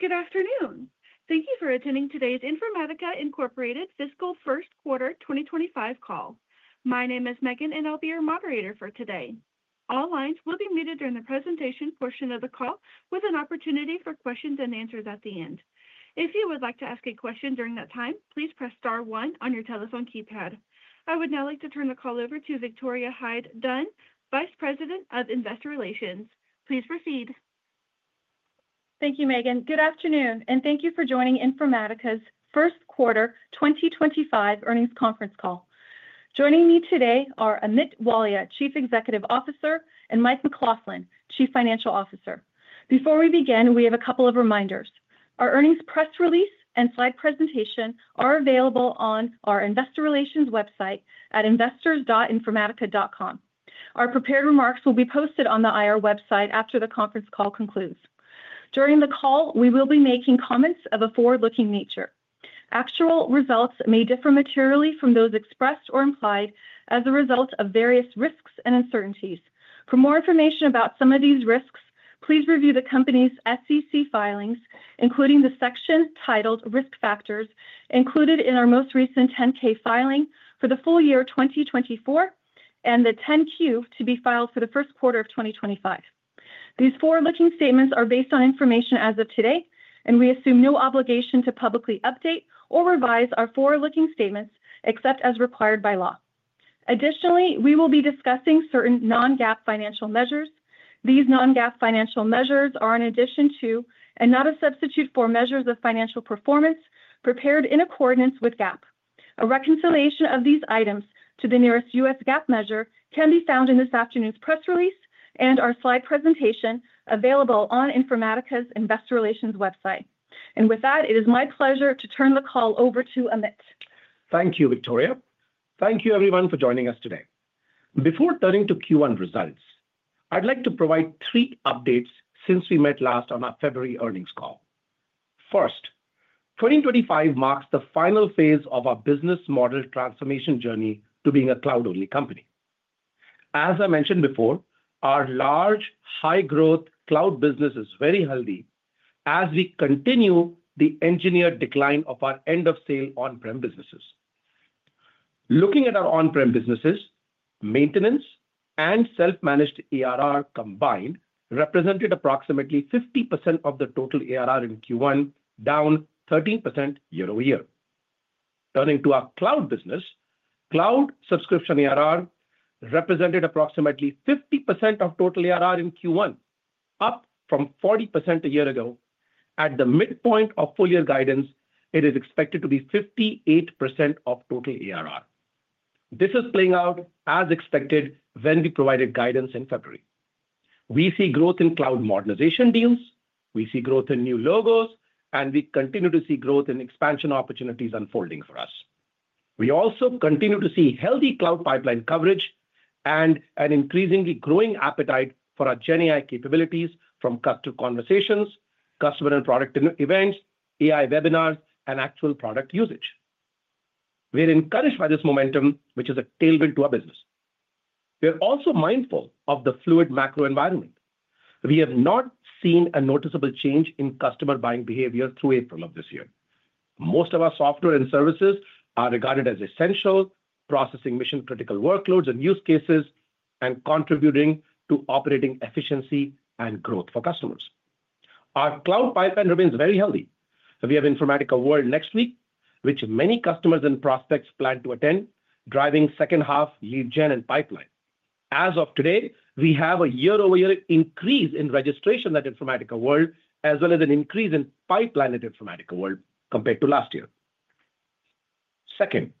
Good afternoon. Thank you for attending today's Informatica Fiscal First Quarter 2025 Call. My name is Megan, and I'll be your moderator for today. All lines will be muted during the presentation portion of the call, with an opportunity for questions and answers at the end. If you would like to ask a question during that time, please press star one on your telephone keypad. I would now like to turn the call over to Victoria Hyde-Dunn, Vice President of Investor Relations. Please proceed. Thank you, Megan. Good afternoon, and thank you for joining Informatica's First Quarter 2025 Earnings Conference Call. Joining me today are Amit Walia, Chief Executive Officer, and Mike McLaughlin, Chief Financial Officer. Before we begin, we have a couple of reminders. Our earnings press release and slide presentation are available on our Investor Relations website at investors.informatica.com. Our prepared remarks will be posted on the IR website after the conference call concludes. During the call, we will be making comments of a forward-looking nature. Actual results may differ materially from those expressed or implied as a result of various risks and uncertainties. For more information about some of these risks, please review the company's SEC filings, including the section titled Risk Factors included in our most recent 10-K filing for the full year 2024 and the 10-Q to be filed for the first quarter of 2025. These forward-looking statements are based on information as of today, and we assume no obligation to publicly update or revise our forward-looking statements except as required by law. Additionally, we will be discussing certain non-GAAP financial measures. These non-GAAP financial measures are an addition to and not a substitute for measures of financial performance prepared in accordance with GAAP. A reconciliation of these items to the nearest U.S. GAAP measure can be found in this afternoon's press release and our slide presentation available on Informatica's Investor Relations website. With that, it is my pleasure to turn the call over to Amit. Thank you, Victoria. Thank you, everyone, for joining us today. Before turning to Q1 results, I'd like to provide three updates since we met last on our February earnings call. First, 2025 marks the final phase of our business model transformation journey to being a cloud-only company. As I mentioned before, our large, high-growth cloud business is very healthy as we continue the engineered decline of our end-of-sale on-prem businesses. Looking at our on-prem businesses, maintenance and self-managed ERR combined represented approximately 50% of the total ERR in Q1, down 13% year over year. Turning to our cloud business, cloud subscription ERR represented approximately 50% of total ERR in Q1, up from 40% a year ago. At the midpoint of full year guidance, it is expected to be 58% of total ERR. This is playing out as expected when we provided guidance in February. We see growth in cloud modernization deals. We see growth in new logos, and we continue to see growth in expansion opportunities unfolding for us. We also continue to see healthy cloud pipeline coverage and an increasingly growing appetite for our GenAI capabilities from customer conversations, customer and product events, AI webinars, and actual product usage. We are encouraged by this momentum, which is a tailwind to our business. We are also mindful of the fluid macro environment. We have not seen a noticeable change in customer buying behavior through April of this year. Most of our software and services are regarded as essential, processing mission-critical workloads and use cases, and contributing to operating efficiency and growth for customers. Our cloud pipeline remains very healthy. We have Informatica World next week, which many customers and prospects plan to attend, driving second half, lead gen, and pipeline. As of today, we have a year-over-year increase in registration at Informatica World, as well as an increase in pipeline at Informatica World compared to last year. Second,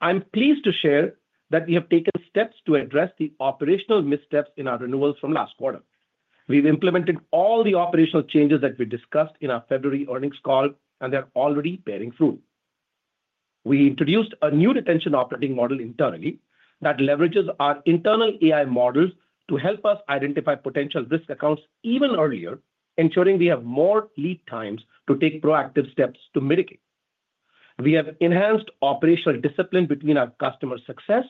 I'm pleased to share that we have taken steps to address the operational missteps in our renewals from last quarter. We've implemented all the operational changes that we discussed in our February Earnings Call, and they're already bearing fruit. We introduced a new retention operating model internally that leverages our internal AI models to help us identify potential risk accounts even earlier, ensuring we have more lead times to take proactive steps to mitigate. We have enhanced operational discipline between our customer success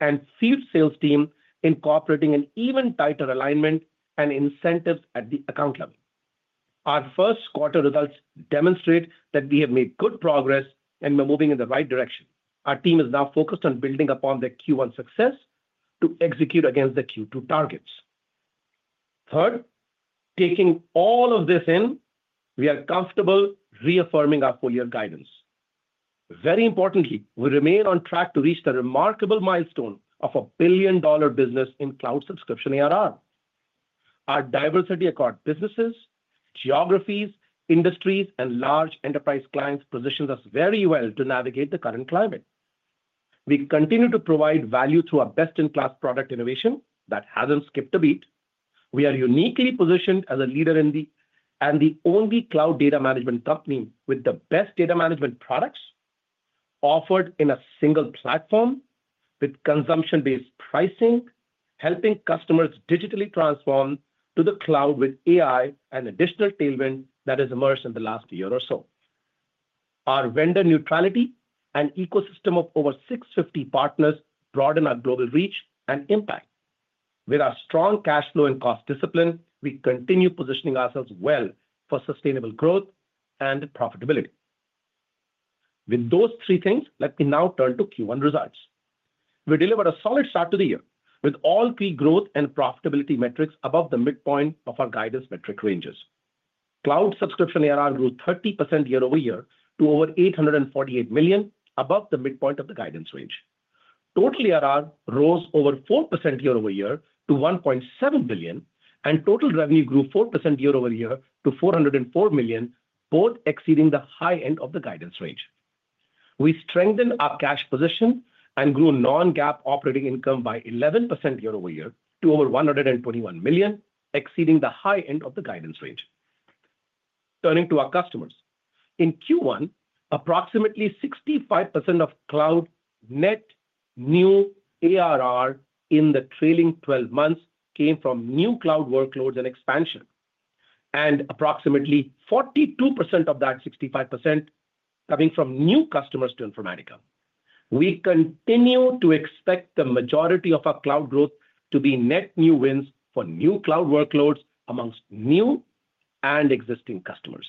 and field sales team, incorporating an even tighter alignment and incentives at the account level. Our first quarter results demonstrate that we have made good progress and we're moving in the right direction. Our team is now focused on building upon the Q1 success to execute against the Q2 targets. Third, taking all of this in, we are comfortable reaffirming our full year guidance. Very importantly, we remain on track to reach the remarkable milestone of a billion-dollar business in Cloud Subscription ARR. Our diversity across businesses, geographies, industries, and large enterprise clients positions us very well to navigate the current climate. We continue to provide value through our best-in-class product innovation that has not skipped a beat. We are uniquely positioned as a leader and the only cloud data management company with the best data management products offered in a single platform with consumption-based pricing, helping customers digitally transform to the cloud with AI and additional tailwind that has emerged in the last year or so. Our vendor neutrality and ecosystem of over 650 partners broaden our global reach and impact. With our strong cash flow and cost discipline, we continue positioning ourselves well for sustainable growth and profitability. With those three things, let me now turn to Q1 results. We delivered a solid start to the year with all key growth and profitability metrics above the midpoint of our guidance metric ranges. Cloud Subscription ARR grew 30% year over year to over $848 million, above the midpoint of the guidance range. Total ARR rose over 4% year over year to $1.7 billion, and total revenue grew 4% year over year to $404 million, both exceeding the high end of the guidance range. We strengthened our cash position and grew non-GAAP operating income by 11% year over year to over $121 million, exceeding the high end of the guidance range. Turning to our customers, in Q1, approximately 65% of cloud Net New ARR in the trailing 12 months came from new cloud workloads and expansion, and approximately 42% of that 65% coming from new customers to Informatica. We continue to expect the majority of our cloud growth to be net new wins for new cloud workloads amongst new and existing customers.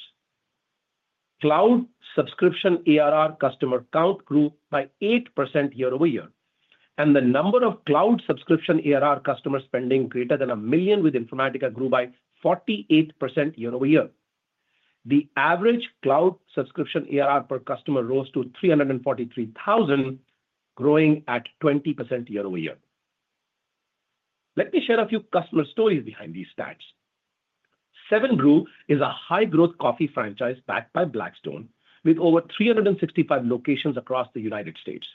Cloud Subscription ARR customer count grew by 8% year over year, and the number of cloud subscription ARR customers spending greater than a million with Informatica grew by 48% year over year. The average Cloud Subscription ARR per customer rose to $343,000, growing at 20% year over year. Let me share a few customer stories behind these stats. 7 Brew is a high-growth coffee franchise backed by Blackstone with over 365 locations across the United States.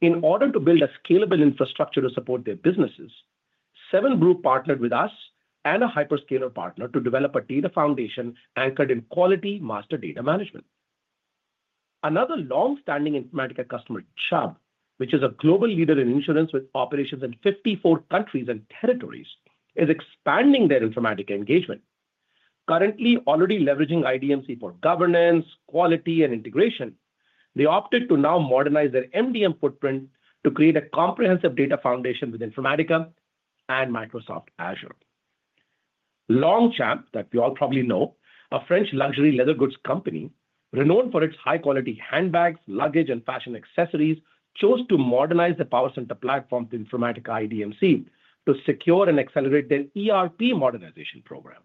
In order to build a scalable infrastructure to support their businesses, 7 Brew partnered with us and a hyperscaler partner to develop a data foundation anchored in quality master data management. Another longstanding Informatica customer, Chubb, which is a global leader in insurance with operations in 54 countries and territories, is expanding their Informatica engagement. Currently already leveraging IDMC for governance, quality, and integration, they opted to now modernize their MDM footprint to create a comprehensive data foundation with Informatica and Microsoft Azure. Longchamp, that you all probably know, a French luxury leather goods company renowned for its high-quality handbags, luggage, and fashion accessories, chose to modernize the PowerCenter platform to Informatica IDMC to secure and accelerate their ERP Modernization program.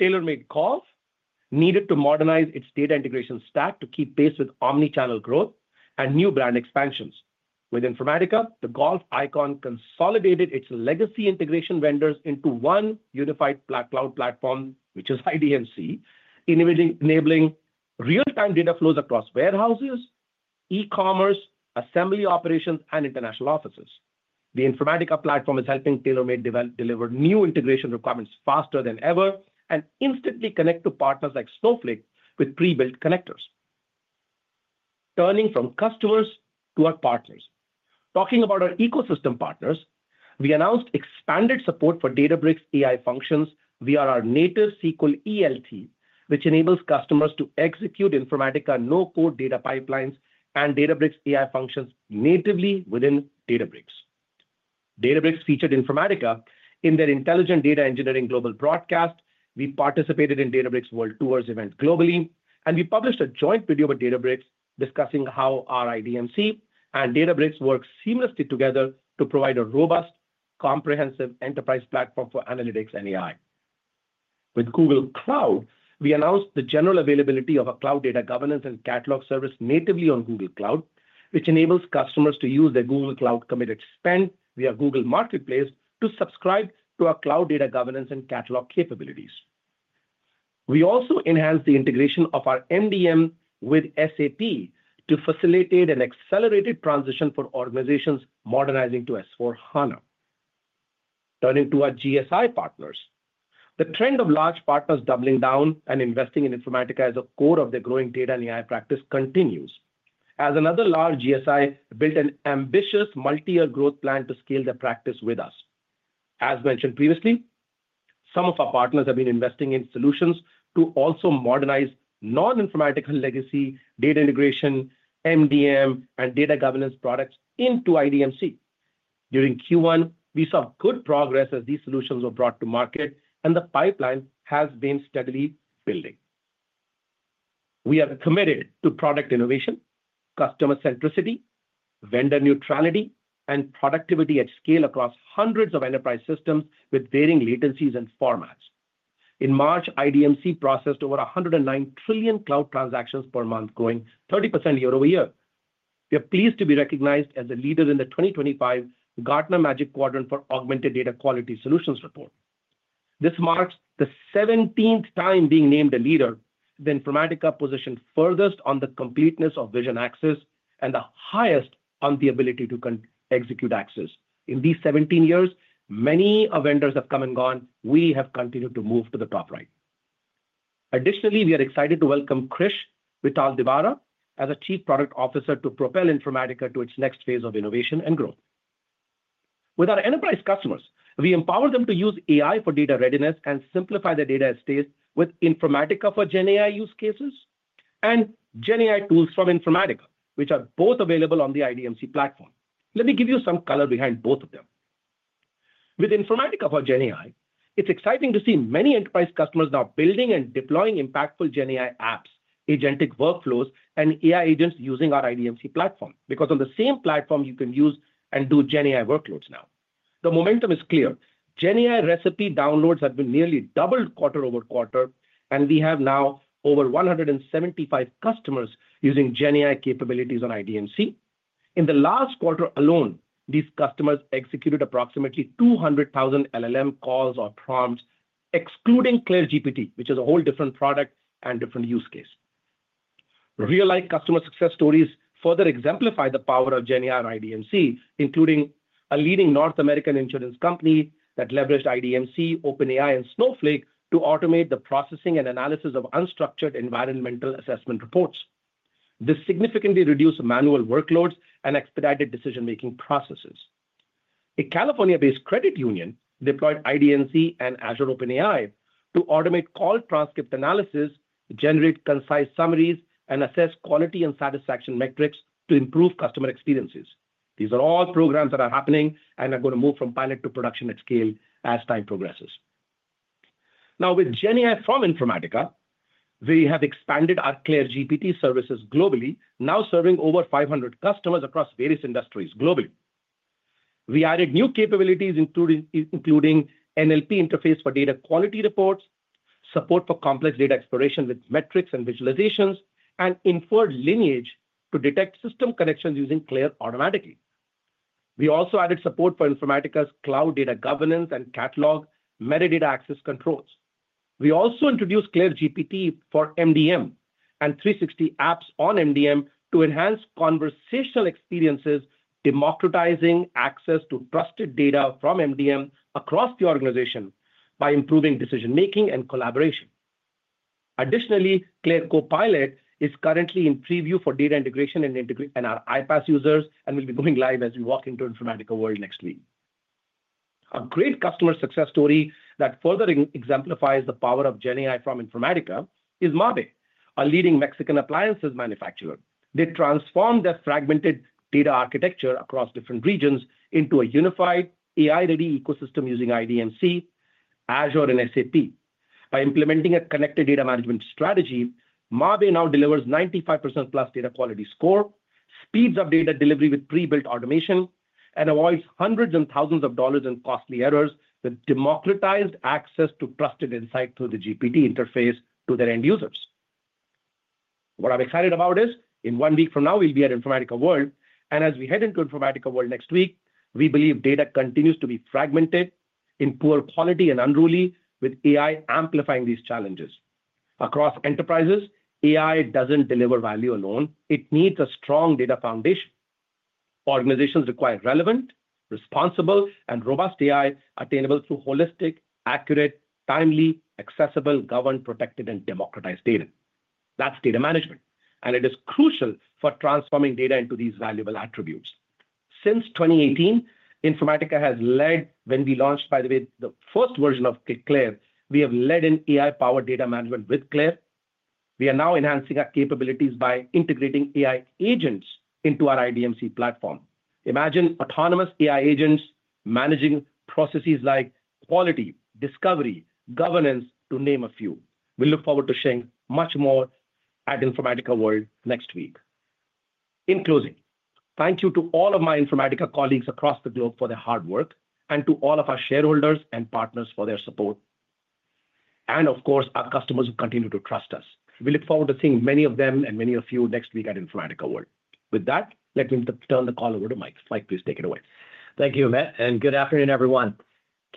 TaylorMade Golf needed to modernize its data integration stack to keep pace with omnichannel growth and new brand expansions. With Informatica, the golf icon consolidated its legacy integration vendors into one unified cloud platform, which is IDMC, enabling real-time data flows across warehouses, e-commerce, assembly operations, and international offices. The Informatica platform is helping TaylorMade deliver new integration requirements faster than ever and instantly connect to partners like Snowflake with pre-built connectors. Turning from customers to our partners, talking about our ecosystem partners, we announced expanded support for Databricks AI functions via our native SQL ELT, which enables customers to execute Informatica no-code data pipelines and Databricks AI functions natively within Databricks. Databricks featured Informatica in their Intelligent Data Engineering Global Broadcast. We participated in Databricks World Tours event globally, and we published a joint video with Databricks discussing how our IDMC and Databricks work seamlessly together to provide a robust, comprehensive enterprise platform for analytics and AI. With Google Cloud, we announced the general availability of a cloud data governance and catalog service natively on Google Cloud, which enables customers to use their Google Cloud committed spend via Google Marketplace to subscribe to our cloud data governance and catalog capabilities. We also enhanced the integration of our MDM with SAP to facilitate an accelerated transition for organizations modernizing to S/4HANA. Turning to our GSI partners, the trend of large partners doubling down and investing in Informatica as a core of their growing data and AI practice continues as another large GSI built an ambitious multi-year growth plan to scale their practice with us. As mentioned previously, some of our partners have been investing in solutions to also modernize non-Informatica legacy data integration, MDM, and data governance products into IDMC. During Q1, we saw good progress as these solutions were brought to market, and the pipeline has been steadily building. We are committed to product innovation, customer centricity, vendor neutrality, and productivity at scale across hundreds of enterprise systems with varying latencies and formats. In March, IDMC processed over 109 trillion cloud transactions per month, growing 30% year over year. We are pleased to be recognized as a leader in the 2025 Gartner Magic Quadrant for Augmented Data Quality Solutions Report. This marks the 17th time being named a leader that Informatica positioned furthest on the completeness of vision axis and the highest on the ability to execute axis. In these 17 years, many vendors have come and gone. We have continued to move to the top right. Additionally, we are excited to welcome Krish Vitaldevara as Chief Product Officer to propel Informatica to its next phase of innovation and growth. With our enterprise customers, we empower them to use AI for data readiness and simplify their data estates with Informatica for GenAI use cases and GenAI tools from Informatica, which are both available on the IDMC platform. Let me give you some color behind both of them. With Informatica for GenAI, it's exciting to see many enterprise customers now building and deploying impactful GenAI apps, agentic workflows, and AI agents using our IDMC platform because on the same platform, you can use and do GenAI workloads now. The momentum is clear. GenAI recipe downloads have been nearly doubled quarter over quarter, and we have now over 175 customers using GenAI capabilities on IDMC. In the last quarter alone, these customers executed approximately 200,000 LLM calls or prompts, excluding CLAIRE GPT, which is a whole different product and different use case. Real-life customer success stories further exemplify the power of GenAI on IDMC, including a leading North American insurance company that leveraged IDMC, OpenAI, and Snowflake to automate the processing and analysis of unstructured environmental assessment reports. This significantly reduced manual workloads and expedited decision-making processes. A California-based credit union deployed IDMC and Azure OpenAI to automate call transcript analysis, generate concise summaries, and assess quality and satisfaction metrics to improve customer experiences. These are all programs that are happening and are going to move from pilot to production at scale as time progresses. Now, with GenAI from Informatica, we have expanded our CLAIRE GPT services globally, now serving over 500 customers across various industries globally. We added new capabilities, including NLP interface for data quality reports, support for complex data exploration with metrics and visualizations, and inferred lineage to detect system connections using CLAIRE automatically. We also added support for Informatica's Cloud Data Governance and Catalog metadata access controls. We also introduced CLAIRE GPT for MDM and 360 apps on MDM to enhance conversational experiences, democratizing access to trusted data from MDM across the organization by improving decision-making and collaboration. Additionally, CLAIRE Copilot is currently in preview for data integration and our iPaaS users and will be going live as we walk into Informatica World next week. A great customer success story that further exemplifies the power of GenAI from Informatica is MABE, a leading Mexican appliances manufacturer. They transformed their fragmented data architecture across different regions into a unified AI-ready ecosystem using IDMC, Azure, and SAP. By implementing a connected data management strategy, MABE now delivers 95%+ data quality score, speeds up data delivery with pre-built automation, and avoids hundreds and thousands of dollars in costly errors with democratized access to trusted insight through the GPT interface to their end users. What I'm excited about is, in one week from now, we'll be at Informatica World. As we head into Informatica World next week, we believe data continues to be fragmented, in poor quality, and unruly, with AI amplifying these challenges. Across enterprises, AI doesn't deliver value alone. It needs a strong data foundation. Organizations require relevant, responsible, and robust AI attainable through holistic, accurate, timely, accessible, governed, protected, and democratized data. That's data management, and it is crucial for transforming data into these valuable attributes. Since 2018, Informatica has led, when we launched, by the way, the first version of Claire, we have led in AI-powered data management with CLAIRE. We are now enhancing our capabilities by integrating AI agents into our IDMC platform. Imagine autonomous AI agents managing processes like quality, discovery, governance, to name a few. We look forward to sharing much more at Informatica World next week. In closing, thank you to all of my Informatica colleagues across the globe for their hard work and to all of our shareholders and partners for their support. Of course, our customers who continue to trust us. We look forward to seeing many of them and many of you next week at Informatica World. With that, let me turn the call over to Mike. Mike, please take it away. Thank you, Amit, and good afternoon, everyone.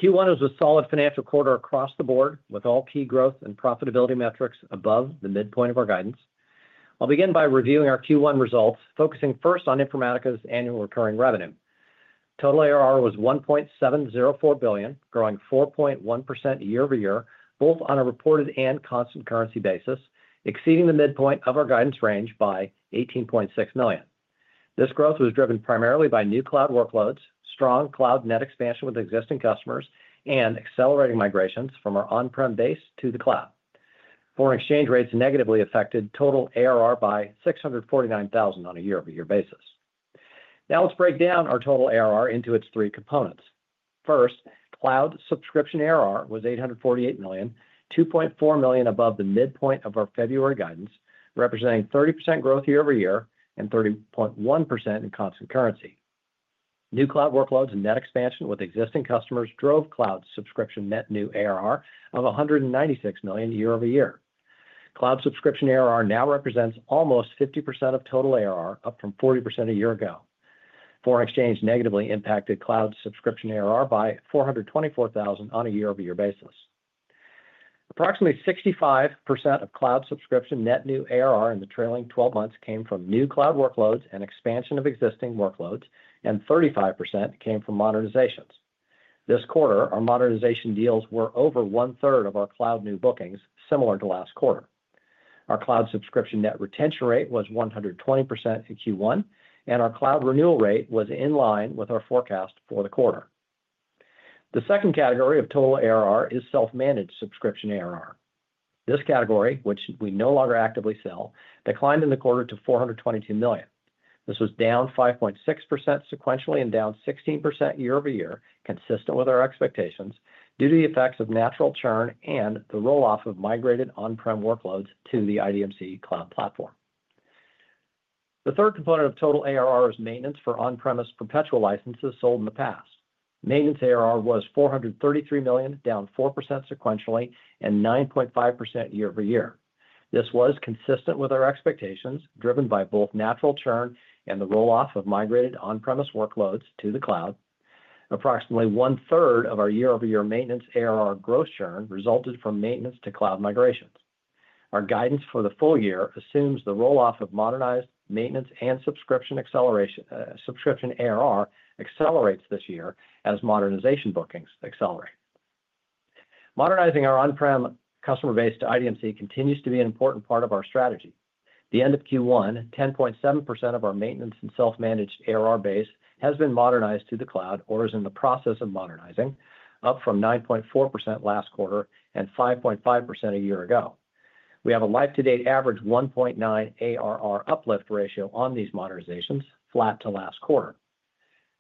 Q1 was a solid financial quarter across the board with all key growth and profitability metrics above the midpoint of our guidance. I'll begin by reviewing our Q1 results, focusing first on Informatica's annual recurring revenue. Total ARR was $1.704 billion, growing 4.1% year over year, both on a reported and constant currency basis, exceeding the midpoint of our guidance range by $18.6 million. This growth was driven primarily by new cloud workloads, strong cloud net expansion with existing customers, and accelerating migrations from our on-prem base to the cloud. Foreign exchange rates negatively affected total ARR by $649,000 on a year-over-year basis. Now let's break down our total ARR into its three components. First, Cloud Subscription ARR was $848 million, $2.4 million above the midpoint of our February guidance, representing 30% growth year-over-year and 30.1% in constant currency. New cloud workloads and net expansion with existing customers drove Cloud Subscription Net New ARR of $196 million year over year. Cloud Subscription ARR now represents almost 50% of total ARR, up from 40% a year ago. Foreign exchange negatively impacted Cloud Subscription ARR by $424,000 on a year-over-year basis. Approximately 65% of cloud subscription Net New ARR in the trailing 12 months came from new cloud workloads and expansion of existing workloads, and 35% came from modernizations. This quarter, our modernization deals were over one-third of our cloud new bookings, similar to last quarter. Our cloud subscription net retention rate was 120% in Q1, and our cloud renewal rate was in line with our forecast for the quarter. The second category of total ARR is Self-managed Subscription ARR. This category, which we no longer actively sell, declined in the quarter to $422 million. This was down 5.6% sequentially and down 16% year-over-year, consistent with our expectations due to the effects of natural churn and the rolloff of migrated on-prem workloads to the IDMC cloud platform. The third component of total ARR is maintenance for on-premise perpetual licenses sold in the past. Maintenance ARR was $433 million, down 4% sequentially and 9.5% year over year. This was consistent with our expectations, driven by both natural churn and the rolloff of migrated on-premise workloads to the cloud. Approximately one-third of our year-over-year Maintenance ARR gross churn resulted from maintenance to cloud migrations. Our guidance for the full year assumes the rolloff of Modernized Maintenance and Subscription ARR accelerates this year as modernization bookings accelerate. Modernizing our on-prem customer-based IDMC continues to be an important part of our strategy. The end of Q1, 10.7% of our Maintenance and Self-Managed ARR base has been modernized to the cloud or is in the process of modernizing, up from 9.4% last quarter and 5.5% a year ago. We have a life-to-date average 1.9 ARR uplift ratio on these modernizations, flat to last quarter.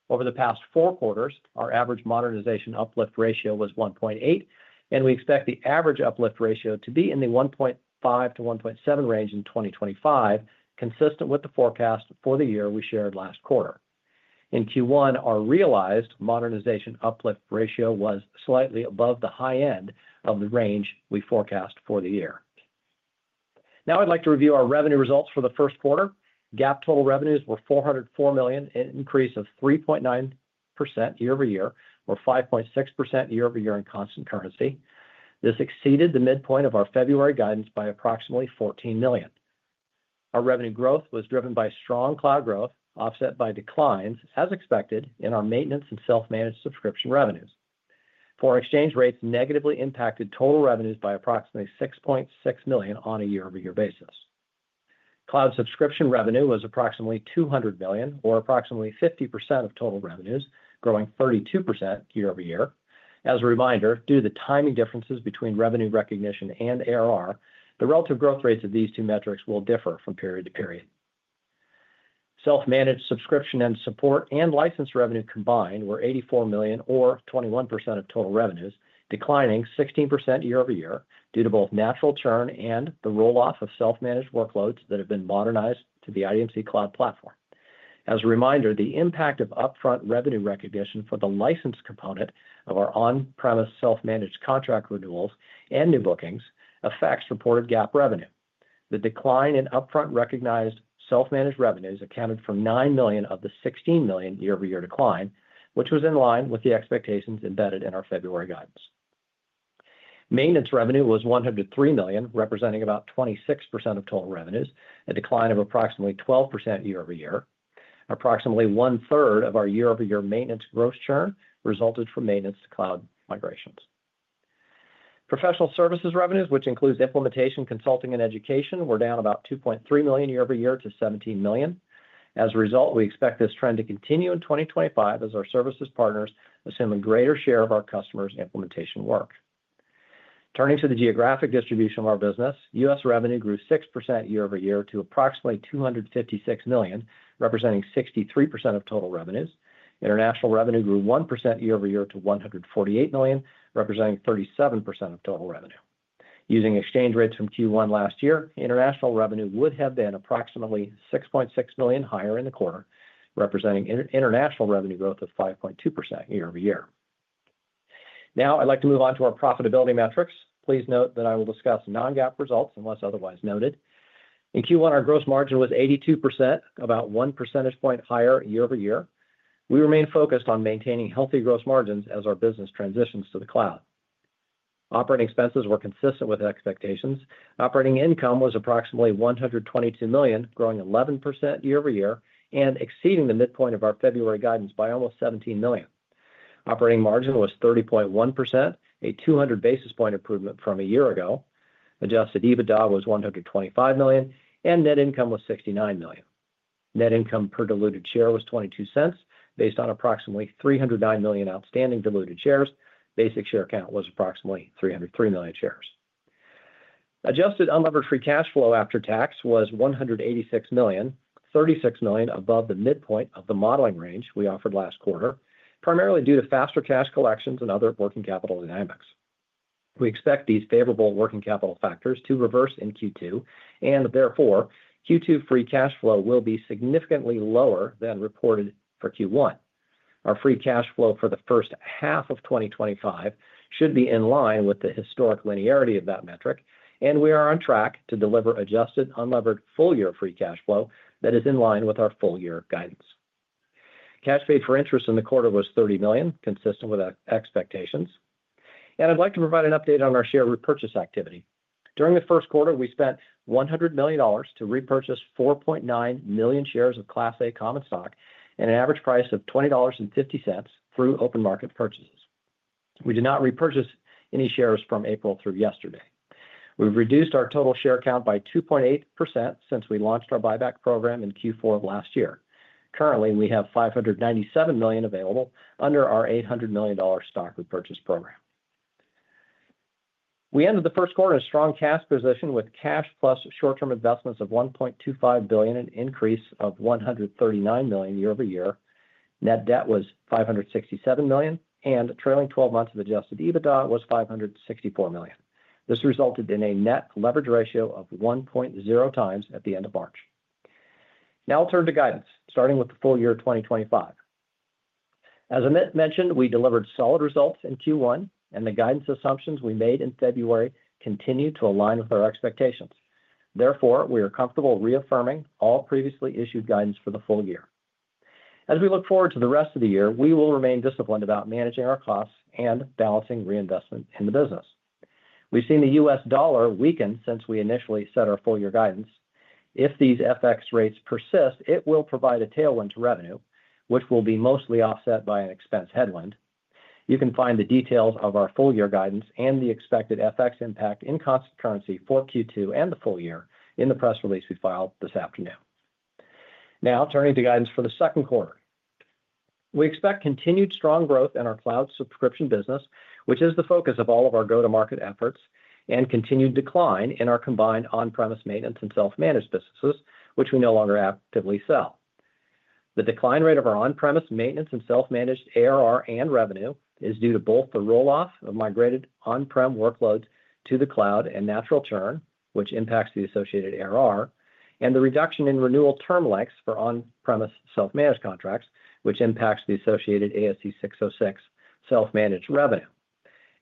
Over the past four quarters, our average modernization uplift ratio was 1.8, and we expect the average uplift ratio to be in the 1.5-1.7 range in 2025, consistent with the forecast for the year we shared last quarter. In Q1, our realized modernization uplift ratio was slightly above the high end of the range we forecast for the year. Now I'd like to review our revenue results for the first quarter. GAAP total revenues were $404 million, an increase of 3.9% year over year or 5.6% year over year in constant currency. This exceeded the midpoint of our February guidance by approximately $14 million. Our revenue growth was driven by strong cloud growth, offset by declines, as expected, in our Maintenance and Self-Managed Subscription revenues. Foreign exchange rates negatively impacted total revenues by approximately $6.6 million on a year-over-year basis. Cloud Subscription revenue was approximately $200 million or approximately 50% of total revenues, growing 32% year over year. As a reminder, due to the timing differences between revenue recognition and ARR, the relative growth rates of these two metrics will differ from period to period. Self-Managed Subscription and Support and License revenue combined were $84 million or 21% of total revenues, declining 16% year-over-year due to both natural churn and the rolloff of self-managed workloads that have been modernized to the IDMC cloud platform. As a reminder, the impact of upfront revenue recognition for the license component of our on-premise self-managed contract renewals and new bookings affects reported GAAP revenue. The decline in upfront recognized self-managed revenues accounted for $9 million of the $16 million year-over-year decline, which was in line with the expectations embedded in our February guidance. Maintenance revenue was $103 million, representing about 26% of total revenues, a decline of approximately 12% year-over-year. Approximately one-third of our year-over-year maintenance gross churn resulted from maintenance to cloud migrations. Professional services revenues, which includes implementation, consulting, and education, were down about $2.3 million year-over-year to $17 million. As a result, we expect this trend to continue in 2025 as our services partners assume a greater share of our customers' implementation work. Turning to the geographic distribution of our business, U.S. Revenue grew 6% year-over-year to approximately $256 million, representing 63% of total revenues. International revenue grew 1% year-over-year to $148 million, representing 37% of total revenue. Using exchange rates from Q1 last year, international revenue would have been approximately $6.6 million higher in the quarter, representing international revenue growth of 5.2% year-over-year. Now I'd like to move on to our profitability metrics. Please note that I will discuss non-GAAP results unless otherwise noted. In Q1, our gross margin was 82%, about one percentage point higher year-over-year. We remain focused on maintaining healthy gross margins as our business transitions to the cloud. Operating expenses were consistent with expectations. Operating income was approximately $122 million, growing 11% year-over-year and exceeding the midpoint of our February guidance by almost $17 million. Operating margin was 30.1%, a 200 basis point improvement from a year ago. Adjusted EBITDA was $125 million, and net income was $69 million. Net income per diluted share was $0.22 based on approximately 309 million outstanding diluted shares. Basic share count was approximately 303 million shares. Adjusted unlevered free cash flow after tax was $186 million, $36 million above the midpoint of the modeling range we offered last quarter, primarily due to faster cash collections and other working capital dynamics. We expect these favorable working capital factors to reverse in Q2, and therefore, Q2 free cash flow will be significantly lower than reported for Q1. Our free cash flow for the first half of 2025 should be in line with the historic linearity of that metric, and we are on track to deliver adjusted unlevered full-year free cash flow that is in line with our full-year guidance. Cash paid for interest in the quarter was $30 million, consistent with expectations. I'd like to provide an update on our share repurchase activity. During the first quarter, we spent $100 million to repurchase 4.9 million shares of Class A common stock at an average price of $20.50 through open market purchases. We did not repurchase any shares from April through yesterday. We've reduced our total share count by 2.8% since we launched our buyback program in Q4 of last year. Currently, we have $597 million available under our $800 million stock repurchase program. We ended the first quarter in a strong cash position with cash plus short-term investments of $1.25 billion, an increase of $139 million year-over-year. Net debt was $567 million, and trailing 12 months of adjusted EBITDA was $564 million. This resulted in a net leverage ratio of 1.0 times at the end of March. Now I'll turn to guidance, starting with the full year 2025. As Amit mentioned, we delivered solid results in Q1, and the guidance assumptions we made in February continue to align with our expectations. Therefore, we are comfortable reaffirming all previously issued guidance for the full year. As we look forward to the rest of the year, we will remain disciplined about managing our costs and balancing reinvestment in the business. We've seen the U.S. dollar weaken since we initially set our full-year guidance. If these FX rates persist, it will provide a tailwind to revenue, which will be mostly offset by an expense headwind. You can find the details of our full-year guidance and the expected FX impact in constant currency for Q2 and the full year in the press release we filed this afternoon. Now turning to guidance for the second quarter, we expect continued strong growth in our cloud subscription business, which is the focus of all of our go-to-market efforts, and continued decline in our combined on-premise maintenance and self-managed businesses, which we no longer actively sell. The decline rate of our on-premise maintenance and self-managed ARR and revenue is due to both the rolloff of migrated on-prem workloads to the cloud and natural churn, which impacts the associated ARR, and the reduction in renewal term lengths for on-premise self-managed contracts, which impacts the associated ASC 606 Self-managed revenue.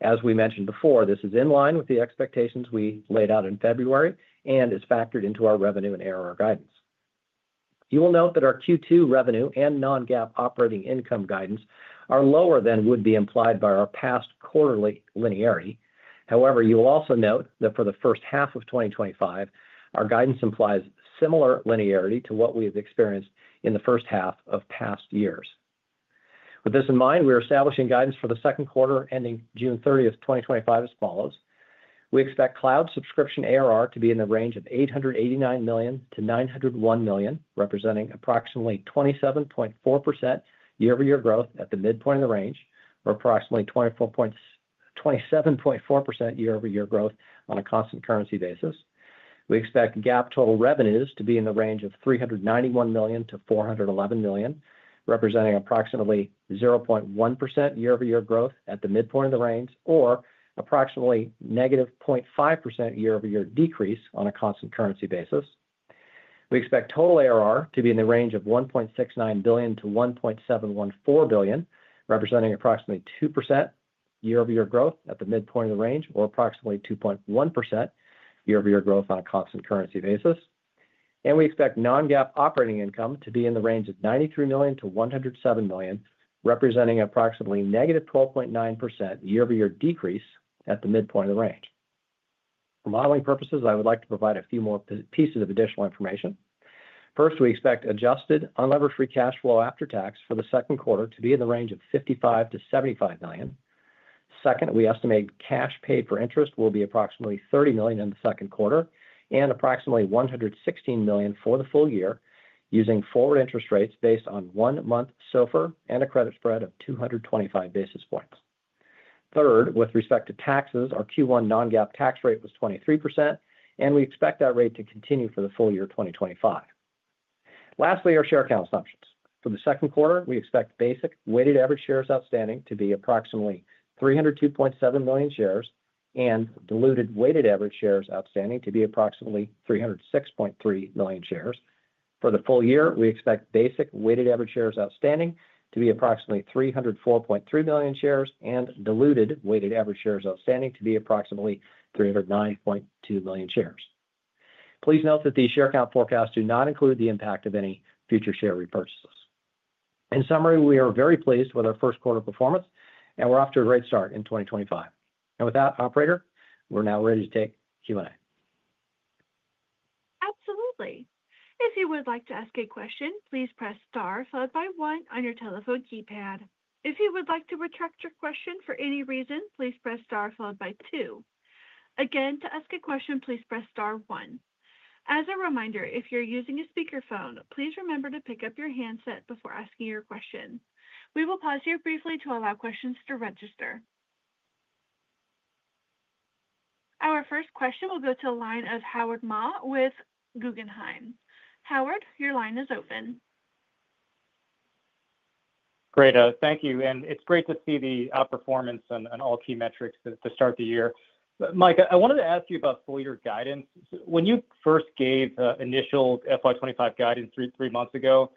As we mentioned before, this is in line with the expectations we laid out in February and is factored into our revenue and ARR guidance. You will note that our Q2 revenue and non-GAAP operating income guidance are lower than would be implied by our past quarterly linearity. However, you will also note that for the first half of 2025, our guidance implies similar linearity to what we have experienced in the first half of past years. With this in mind, we are establishing guidance for the second quarter ending June 30th, 2025, as follows. We expect Cloud Subscription ARR to be in the range of $889 million-$901 million, representing approximately 27.4% year-over-year growth at the midpoint of the range, or approximately 27.4% year-over-year growth on a constant currency basis. We expect GAAP total revenues to be in the range of $391 million-$411 million, representing approximately 0.1% year-over-year growth at the midpoint of the range, or approximately negative 0.5% year-over-year decrease on a constant currency basis. We expect total ARR to be in the range of $1.69 billion-$1.714 billion, representing approximately 2% year-over-year growth at the midpoint of the range, or approximately 2.1% year-over-year growth on a constant currency basis. We expect non-GAAP operating income to be in the range of $93 million-$107 million, representing approximately negative 12.9% year-over-year decrease at the midpoint of the range. For modeling purposes, I would like to provide a few more pieces of additional information. First, we expect adjusted unlevered free cash flow after tax for the second quarter to be in the range of $55 million-$75 million. Second, we estimate cash paid for interest will be approximately $30 million in the second quarter and approximately $116 million for the full year, using forward interest rates based on one-month SOFR and a credit spread of 225 basis points. Third, with respect to taxes, our Q1 non-GAAP tax rate was 23%, and we expect that rate to continue for the full year 2025. Lastly, our share count assumptions. For the second quarter, we expect basic weighted average shares outstanding to be approximately 302.7 million shares and diluted weighted average shares outstanding to be approximately 306.3 million shares. For the full year, we expect basic weighted average shares outstanding to be approximately 304.3 million shares and diluted weighted average shares outstanding to be approximately 309.2 million shares. Please note that these share count forecasts do not include the impact of any future share repurchases. In summary, we are very pleased with our first quarter performance, and we're off to a great start in 2025. With that, Operator, we're now ready to take Q&A. Absolutely. If you would like to ask a question, please press star followed by one on your telephone keypad. If you would like to retract your question for any reason, please press star followed by two. Again, to ask a question, please press star one. As a reminder, if you're using a speakerphone, please remember to pick up your handset before asking your question. We will pause here briefly to allow questions to register. Our first question will go to a line of Howard Ma with Guggenheim. Howard, your line is open. Great. Thank you. It is great to see the outperformance in all key metrics to start the year. Mike, I wanted to ask you about full-year guidance. When you first gave initial FY 2025 guidance three months ago,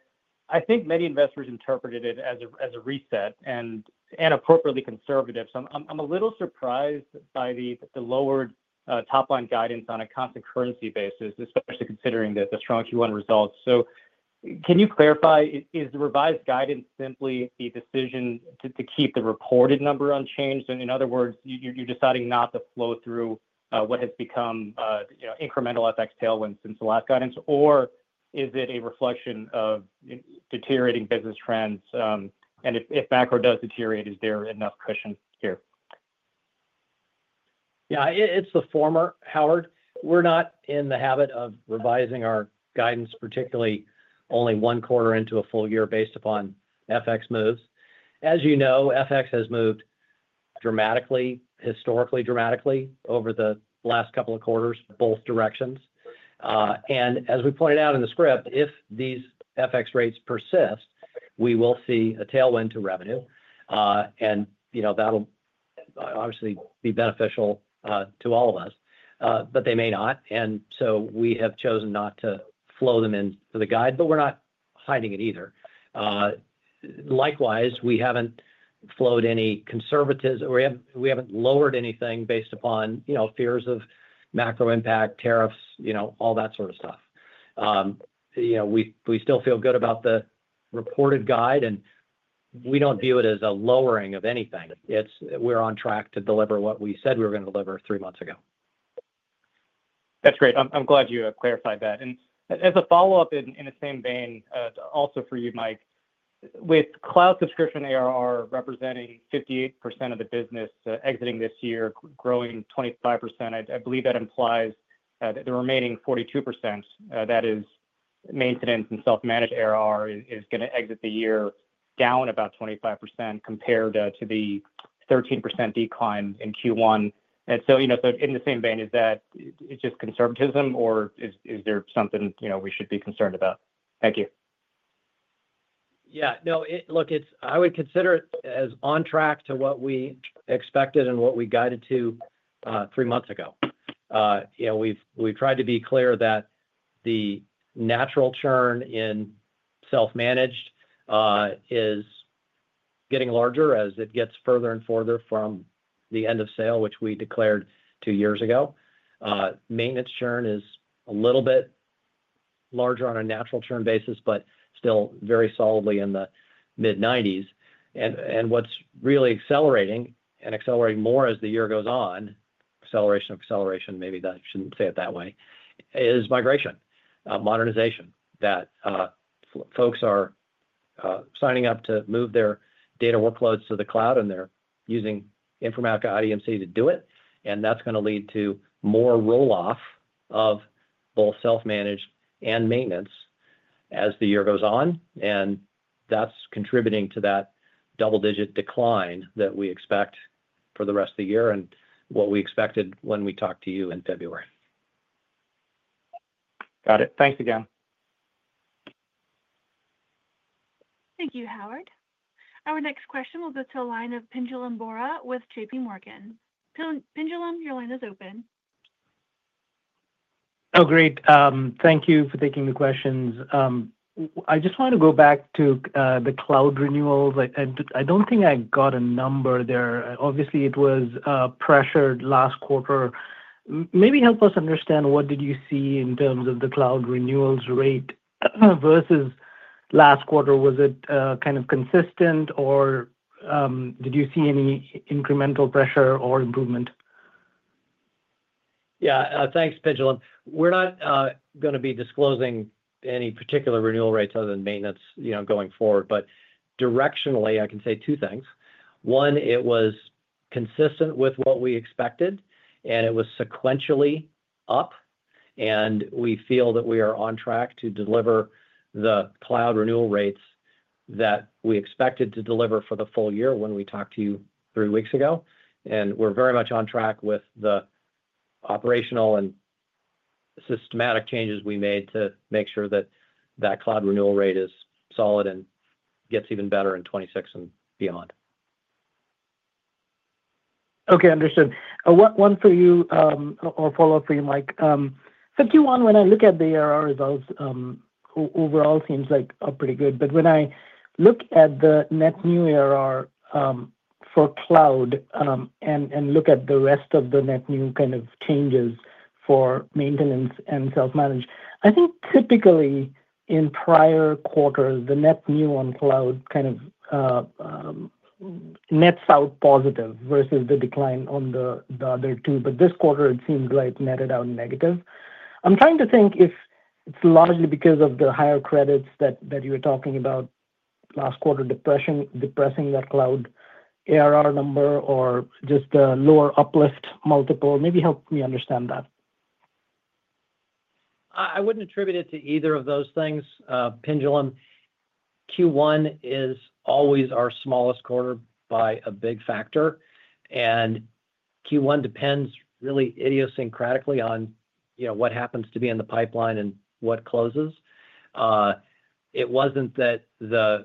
I think many investors interpreted it as a reset and appropriately conservative. I'm a little surprised by the lowered top-line guidance on a constant currency basis, especially considering the strong Q1 results. Can you clarify, is the revised guidance simply the decision to keep the reported number unchanged? In other words, you're deciding not to flow through what has become incremental FX tailwinds since the last guidance, or is it a reflection of deteriorating business trends? If macro does deteriorate, is there enough cushion here? Yeah, it's the former, Howard. We're not in the habit of revising our guidance, particularly only one quarter into a full year based upon FX moves. As you know, FX has moved dramatically, historically dramatically over the last couple of quarters in both directions. As we pointed out in the script, if these FX rates persist, we will see a tailwind to revenue. That'll obviously be beneficial to all of us, but they may not. We have chosen not to flow them into the guide, but we're not hiding it either. Likewise, we haven't flowed any conservatives. We haven't lowered anything based upon fears of macro impact, tariffs, all that sort of stuff. We still feel good about the reported guide, and we don't view it as a lowering of anything. We're on track to deliver what we said we were going to deliver three months ago. That's great. I'm glad you clarified that. As a follow-up in the same vein, also for you, Mike, with Cloud Subscription ARR representing 58% of the business exiting this year, growing 25%, I believe that implies that the remaining 42%, that is Maintenance and Self-Managed ARR, is going to exit the year down about 25% compared to the 13% decline in Q1. In the same vein, is that just conservatism, or is there something we should be concerned about? Thank you. Yeah. No, look, I would consider it as on track to what we expected and what we guided to three months ago. We've tried to be clear that the natural churn in Self-Managed is getting larger as it gets further and further from the end of sale, which we declared two years ago. Maintenance churn is a little bit larger on a natural churn basis, but still very solidly in the mid-90%. What's really accelerating and accelerating more as the year goes on, acceleration of acceleration, maybe I shouldn't say it that way, is migration, modernization. Folks are signing up to move their data workloads to the cloud, and they're using Informatica IDMC to do it. That's going to lead to more rolloff of both Self-Managed and Maintenance as the year goes on. That's contributing to that double-digit decline that we expect for the rest of the year and what we expected when we talked to you in February. Got it. Thanks again. Thank you, Howard. Our next question will go to a line of Pinjalim Bora with JPMorgan. Pinjalim, your line is open. Oh, great. Thank you for taking the questions. I just want to go back to the cloud renewals. I do not think I got a number there. Obviously, it was pressured last quarter. Maybe help us understand what did you see in terms of the cloud renewals rate versus last quarter? Was it kind of consistent, or did you see any incremental pressure or improvement? Yeah. Thanks, Pinjalim. We're not going to be disclosing any particular renewal rates other than maintenance going forward. I can say two things directionally. One, it was consistent with what we expected, and it was sequentially up. We feel that we are on track to deliver the cloud renewal rates that we expected to deliver for the full year when we talked to you three weeks ago. We are very much on track with the operational and systematic changes we made to make sure that that cloud renewal rate is solid and gets even better in 2026 and beyond. Okay. Understood. One for you or follow-up for you, Mike. For Q1, when I look at the ARR results, overall seems like pretty good. When I look at the Net New ARR for cloud and look at the rest of the net new kind of changes for maintenance and self-managed, I think typically in prior quarters, the net new on cloud kind of nets out positive versus the decline on the other two. This quarter, it seems like netted out negative. I'm trying to think if it's largely because of the higher credits that you were talking about last quarter depressing that cloud ARR number or just the lower uplift multiple. Maybe help me understand that. I wouldn't attribute it to either of those things. Pinjalim, Q1 is always our smallest quarter by a big factor. Q1 depends really idiosyncratically on what happens to be in the pipeline and what closes. It wasn't that the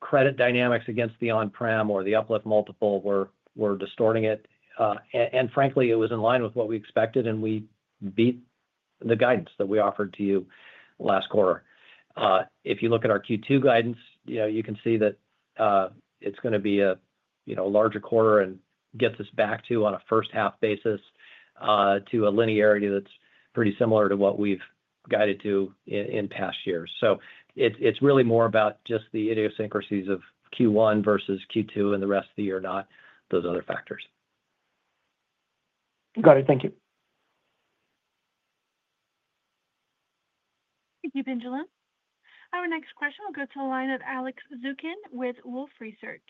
credit dynamics against the on-prem or the uplift multiple were distorting it. Frankly, it was in line with what we expected, and we beat the guidance that we offered to you last quarter. If you look at our Q2 guidance, you can see that it's going to be a larger quarter and gets us back to, on a first-half basis, to a linearity that's pretty similar to what we've guided to in past years. It is really more about just the idiosyncrasies of Q1 versus Q2 and the rest of the year, not those other factors. Got it. Thank you. Thank you, Pinjalim. Our next question will go to a line of Alex Zukin with Wolfe Research.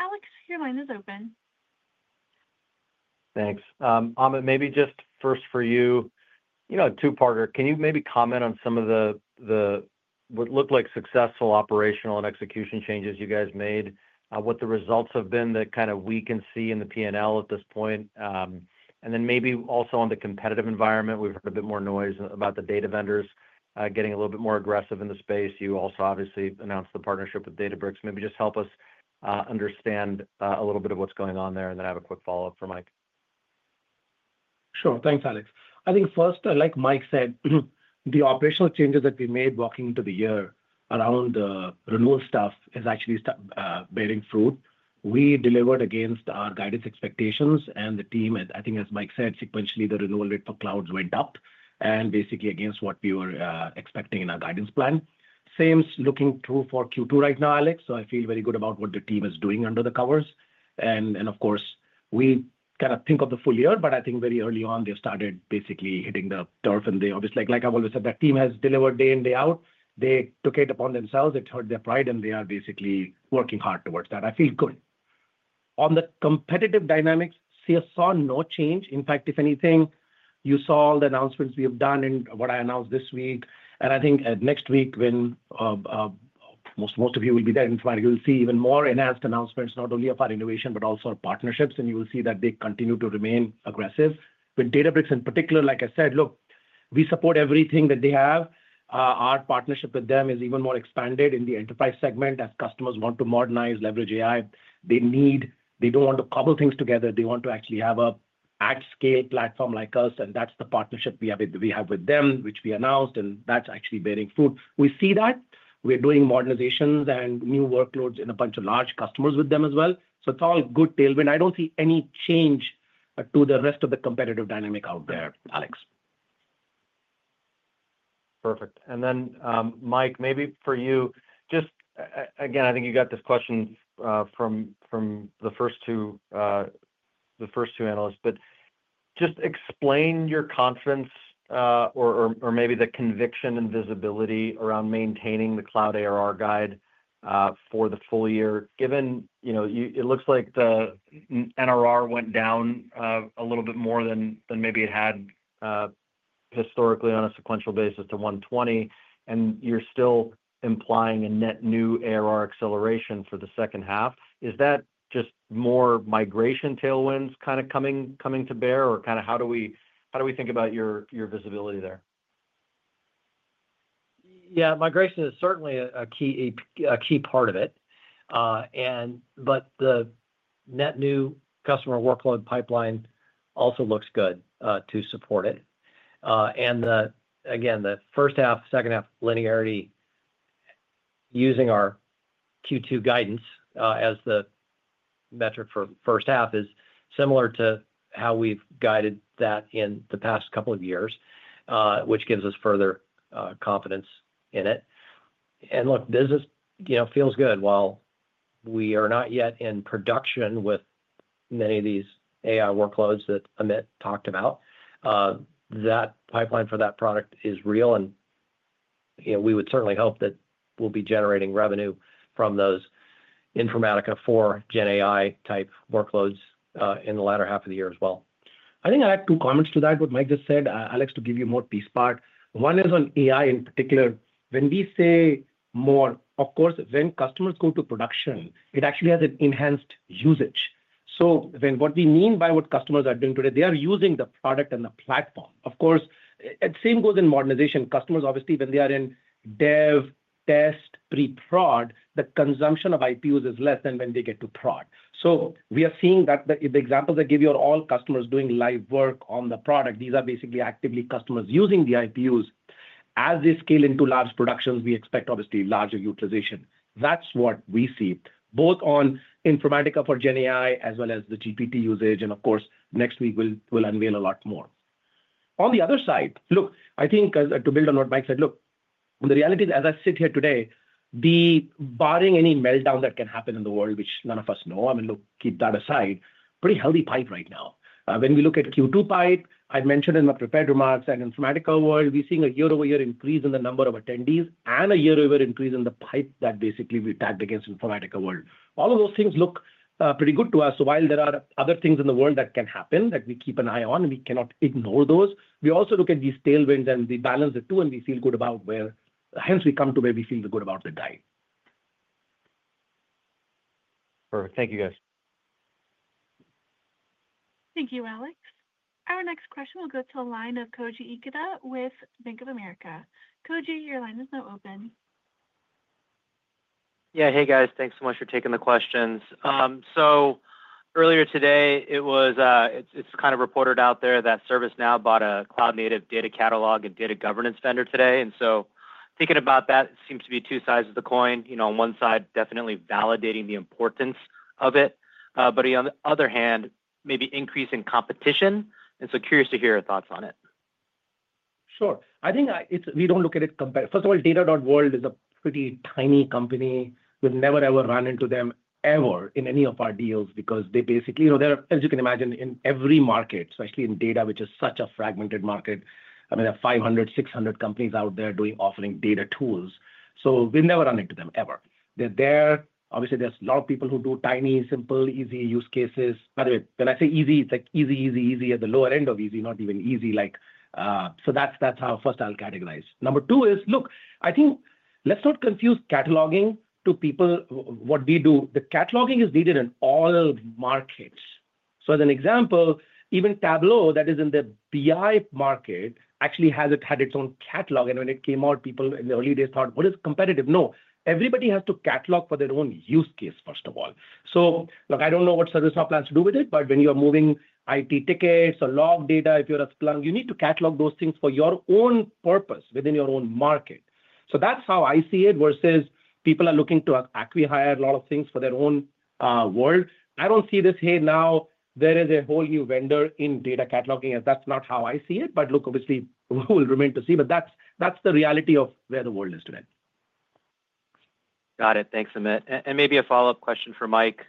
Alex, your line is open. Thanks. Amit, maybe just first for you, a two-parter. Can you maybe comment on some of the what looked like successful operational and execution changes you guys made, what the results have been that kind of we can see in the P&L at this point? Also, on the competitive environment, we've heard a bit more noise about the data vendors getting a little bit more aggressive in the space. You also obviously announced the partnership with Databricks. Maybe just help us understand a little bit of what's going on there and then have a quick follow-up for Mike. Sure. Thanks, Alex. I think first, like Mike said, the operational changes that we made walking into the year around the renewal stuff is actually bearing fruit. We delivered against our guidance expectations, and the team, I think, as Mike said, sequentially the renewal rate for clouds went up and basically against what we were expecting in our guidance plan. Same looking through for Q2 right now, Alex. I feel very good about what the team is doing under the covers. Of course, we kind of think of the full year, but I think very early on, they started basically hitting the turf and they obviously, like I've always said, that team has delivered day in, day out. They took it upon themselves. It hurt their pride, and they are basically working hard towards that. I feel good. On the competitive dynamics, see I saw no change. In fact, if anything, you saw all the announcements we have done and what I announced this week. I think next week, when most of you will be there in front, you'll see even more enhanced announcements, not only of our innovation, but also our partnerships. You will see that they continue to remain aggressive. Databricks in particular, like I said, look, we support everything that they have. Our partnership with them is even more expanded in the enterprise segment as customers want to modernize, leverage AI. They don't want to cobble things together. They want to actually have an at-scale platform like us. That is the partnership we have with them, which we announced, and that's actually bearing fruit. We see that. We're doing modernizations and new workloads in a bunch of large customers with them as well. It's all good tailwind. I don't see any change to the rest of the competitive dynamic out there, Alex. Perfect. Mike, maybe for you, just again, I think you got this question from the first two analysts, but just explain your confidence or maybe the conviction and visibility around maintaining the cloud ARR guide for the full year. Given it looks like the NRR went down a little bit more than maybe it had historically on a sequential basis to 120, and you're still implying a Net New ARR acceleration for the second half. Is that just more migration tailwinds kind of coming to bear, or kind of how do we think about your visibility there? Yeah. Migration is certainly a key part of it. The net new customer workload pipeline also looks good to support it. The first-half, second-half linearity using our Q2 guidance as the metric for first half is similar to how we've guided that in the past couple of years, which gives us further confidence in it. This feels good. While we are not yet in production with many of these AI workloads that Amit talked about, that pipeline for that product is real. We would certainly hope that we'll be generating revenue from those Informatica for GenAI type workloads in the latter half of the year as well. I think I have two comments to that, what Mike just said. Alex, to give you more piece part. One is on AI in particular. When we say more, of course, when customers go to production, it actually has an enhanced usage. What we mean by what customers are doing today, they are using the product and the platform. Of course, same goes in modernization. Customers, obviously, when they are in dev, test, pre-prod, the consumption of IPUs is less than when they get to prod. We are seeing that the examples I give you are all customers doing live work on the product. These are basically actively customers using the IPUs. As they scale into large productions, we expect obviously larger utilization. That is what we see, both on Informatica for GenAI as well as the GPT usage. Of course, next week, we will unveil a lot more. On the other side, look, I think to build on what Mike said, look, the reality is, as I sit here today, barring any meltdown that can happen in the world, which none of us know, I mean, look, keep that aside, pretty healthy pipe right now. When we look at Q2 pipe, I mentioned in my prepared remarks and Informatica World, we're seeing a year-over-year increase in the number of attendees and a year-over-year increase in the pipe that basically we tagged against Informatica World. All of those things look pretty good to us. While there are other things in the world that can happen that we keep an eye on, we cannot ignore those. We also look at these tailwinds and we balance the two, and we feel good about where hence we come to where we feel good about the guide. Perfect. Thank you, guys. Thank you, Alex. Our next question will go to a line of Koji Ikeda with Bank of America. Koji, your line is now open. Yeah. Hey, guys. Thanks so much for taking the questions. Earlier today, it was kind of reported out there that ServiceNow bought a cloud-native data catalog and data governance vendor today. Thinking about that, it seems to be two sides of the coin. On one side, definitely validating the importance of it. On the other hand, maybe increasing competition. Curious to hear your thoughts on it. Sure. I think we do not look at it compared. First of all, Data.world is a pretty tiny company. We have never, ever run into them ever in any of our deals because they basically are, as you can imagine, in every market, especially in data, which is such a fragmented market. I mean, there are 500-600 companies out there offering data tools. We have never run into them ever. They are there. Obviously, there are a lot of people who do tiny, simple, easy use cases. By the way, when I say easy, it is like easy, easy, easy at the lower end of easy, not even easy. That is how first I will categorize. Number two is, look, I think let us not confuse cataloging to people with what we do. The cataloging is needed in all markets. As an example, even Tableau that is in the BI market actually had its own catalog. When it came out, people in the early days thought, "What is competitive?" No. Everybody has to catalog for their own use case, first of all. Look, I do not know what ServiceNow plans to do with it, but when you are moving IT tickets or log data, if you are a Splunk, you need to catalog those things for your own purpose within your own market. That is how I see it versus people are looking to acquihire a lot of things for their own world. I do not see this, "Hey, now there is a whole new vendor in data cataloging," as that is not how I see it. Obviously, we will remain to see. That is the reality of where the world is today. Got it. Thanks, Amit. Maybe a follow-up question for Mike.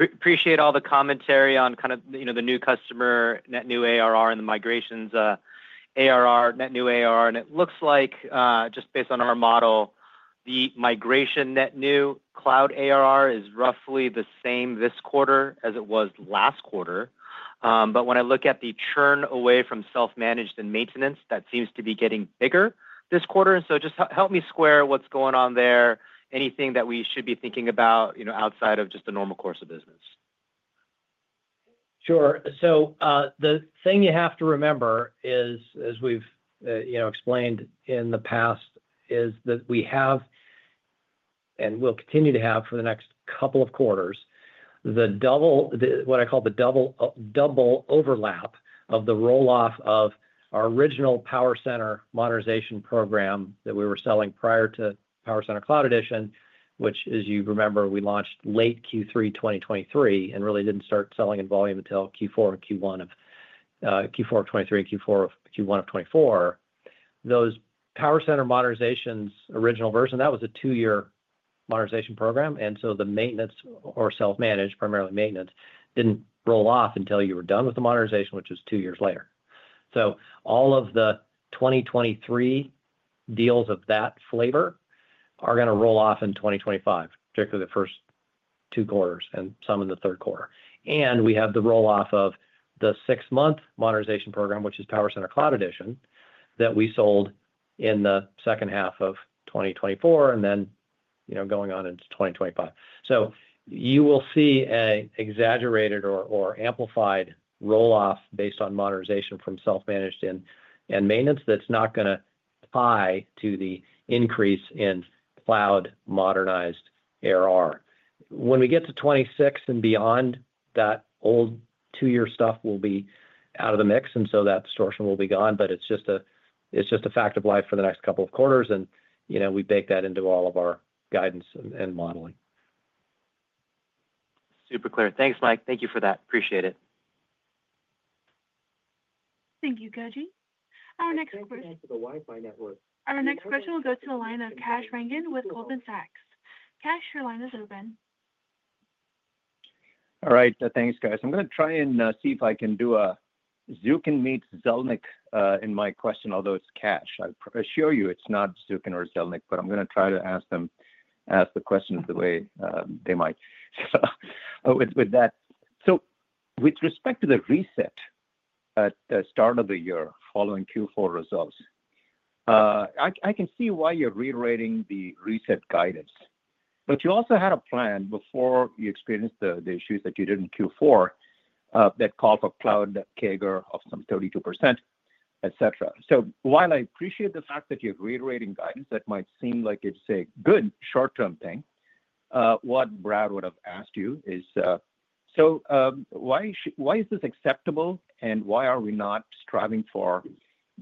Appreciate all the commentary on kind of the new customer, Net New ARR, and the migrations, ARR, Net New ARR. It looks like, just based on our model, the migration Net New cloud ARR is roughly the same this quarter as it was last quarter. When I look at the churn away from Self-Managed and Maintenance, that seems to be getting bigger this quarter. Just help me square what's going on there, anything that we should be thinking about outside of just the normal course of business. Sure. The thing you have to remember is, as we've explained in the past, is that we have and will continue to have for the next couple of quarters what I call the double overlap of the roll-off of our original PowerCenter modernization program that we were selling prior to PowerCenter Cloud Edition, which, as you remember, we launched late Q3 2023 and really did not start selling in volume until Q4 of 2023 and Q1 of 2024. Those PowerCenter modernizations' original version, that was a two-year modernization program. And so the maintenance or self-managed, primarily maintenance, did not roll off until you were done with the modernization, which was two years later. All of the 2023 deals of that flavor are going to roll off in 2025, particularly the first two quarters and some in the third quarter. We have the roll-off of the six-month modernization program, which is PowerCenter Cloud Edition, that we sold in the second half of 2024 and then going on into 2025. You will see an exaggerated or amplified roll-off based on modernization from self-managed and maintenance that's not going to tie to the increase in cloud modernized ARR. When we get to 2026 and beyond, that old two-year stuff will be out of the mix, and that distortion will be gone. It is just a fact of life for the next couple of quarters, and we bake that into all of our guidance and modeling. Super clear. Thanks, Mike. Thank you for that. Appreciate it. Thank you, Koji. Our next question. Thank you again for the Wi-Fi network. Our next question will go to a line of Kash Rangan with Goldman Sachs. Kash, your line is open. All right. Thanks, guys. I'm going to try and see if I can do a Zukin meets Zelnick in my question, although it's Kash. I assure you it's not Zukin or Zelnick, but I'm going to try to ask the question the way they might. With respect to the reset at the start of the year following Q4 results, I can see why you're reiterating the reset guidance. You also had a plan before you experienced the issues that you did in Q4, that called for cloud CAGR of some 32%, etc. While I appreciate the fact that you're reiterating guidance, that might seem like it's a good short-term thing. What Brad would have asked you is, why is this acceptable, and why are we not striving for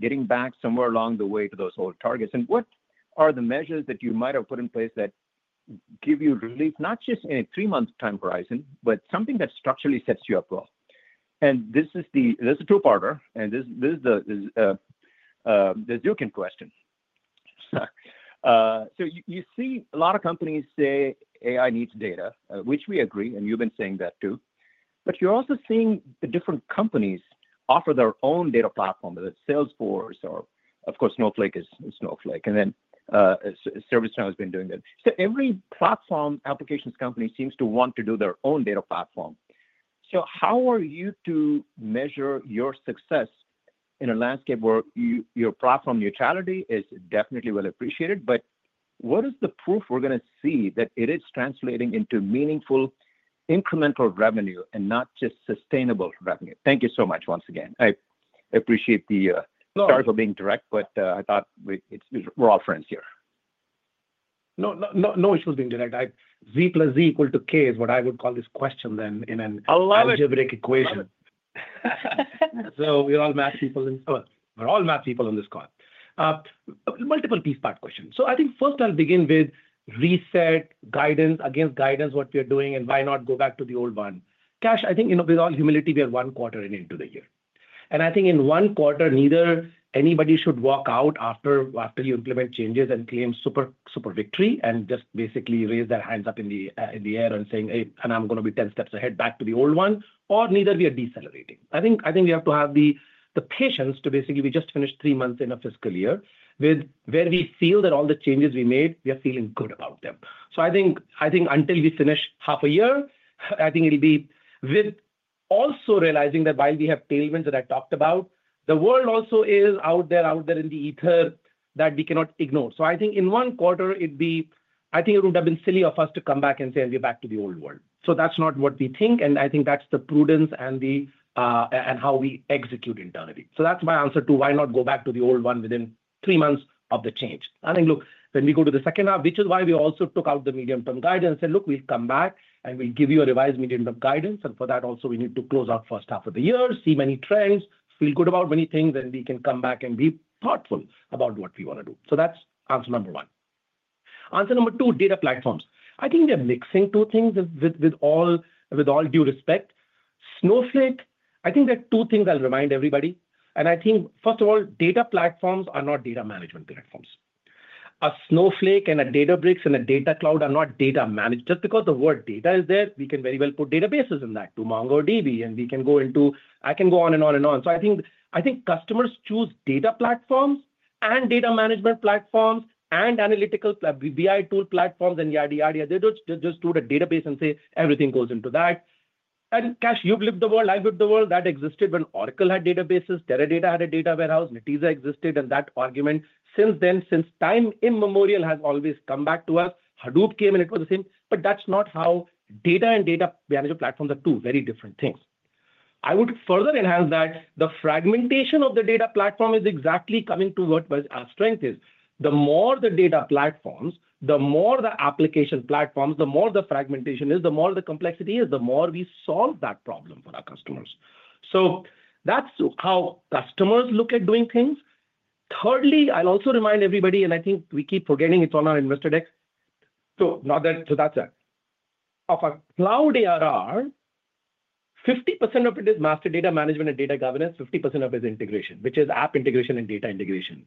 getting back somewhere along the way to those old targets? What are the measures that you might have put in place that give you relief, not just in a three-month time horizon, but something that structurally sets you up well? This is a two-parter, and this is the Zukin question. You see a lot of companies say AI needs data, which we agree, and you've been saying that too. You're also seeing different companies offer their own data platform, whether it's Salesforce or, of course, Snowflake is Snowflake. ServiceNow has been doing that. Every platform applications company seems to want to do their own data platform. How are you to measure your success in a landscape where your platform neutrality is definitely well appreciated? What is the proof we're going to see that it is translating into meaningful incremental revenue and not just sustainable revenue? Thank you so much once again. I appreciate the start of being direct, but I thought we're all friends here. No issues being direct. Z plus Z equal to K is what I would call this question then in an algebraic equation. We're all math people on this call. Multiple piece part questions. I think first I'll begin with reset guidance against guidance, what we are doing, and why not go back to the old one. Kash, I think with all humility, we have one quarter and into the year. I think in one quarter, neither anybody should walk out after you implement changes and claim super victory and just basically raise their hands up in the air and saying, "Hey, and I'm going to be 10 steps ahead back to the old one," or neither we are decelerating. I think we have to have the patience to basically we just finished three months in a fiscal year where we feel that all the changes we made, we are feeling good about them. I think until we finish half a year, I think it'll be with also realizing that while we have tailwinds that I talked about, the world also is out there in the ether that we cannot ignore. I think in one quarter, I think it would have been silly of us to come back and say, "We're back to the old world." That's not what we think, and I think that's the prudence and how we execute internally. That's my answer to why not go back to the old one within three months of the change. I think, look, when we go to the second half, which is why we also took out the medium-term guidance and said, "Look, we'll come back and we'll give you a revised medium-term guidance." For that also, we need to close out first half of the year, see many trends, feel good about many things, and we can come back and be thoughtful about what we want to do. That's answer number one. Answer number two, data platforms. I think they're mixing two things with all due respect. Snowflake, I think there are two things I'll remind everybody. I think, first of all, data platforms are not data management platforms. A Snowflake and a Databricks and a data cloud are not data management. Just because the word data is there, we can very well put databases in that, Dumong or DB, and we can go into I can go on and on and on. I think customers choose data platforms and data management platforms and analytical BI tool platforms and yada, yada, yada. They just do the database and say, "Everything goes into that." Kash, you've lived the world, I've lived the world. That existed when Oracle had databases, Teradata had a data warehouse, Netezza existed, and that argument since then, since time immemorial, has always come back to us. Hadoop came and it was the same. That is not how data and data management platforms are two very different things. I would further enhance that the fragmentation of the data platform is exactly coming to what our strength is. The more the data platforms, the more the application platforms, the more the fragmentation is, the more the complexity is, the more we solve that problem for our customers. That is how customers look at doing things. Thirdly, I'll also remind everybody, and I think we keep forgetting, it's on our Investor Deck. That is that. Of our cloud ARR, 50% of it is master data management and data governance, 50% of it is integration, which is app integration and data integration.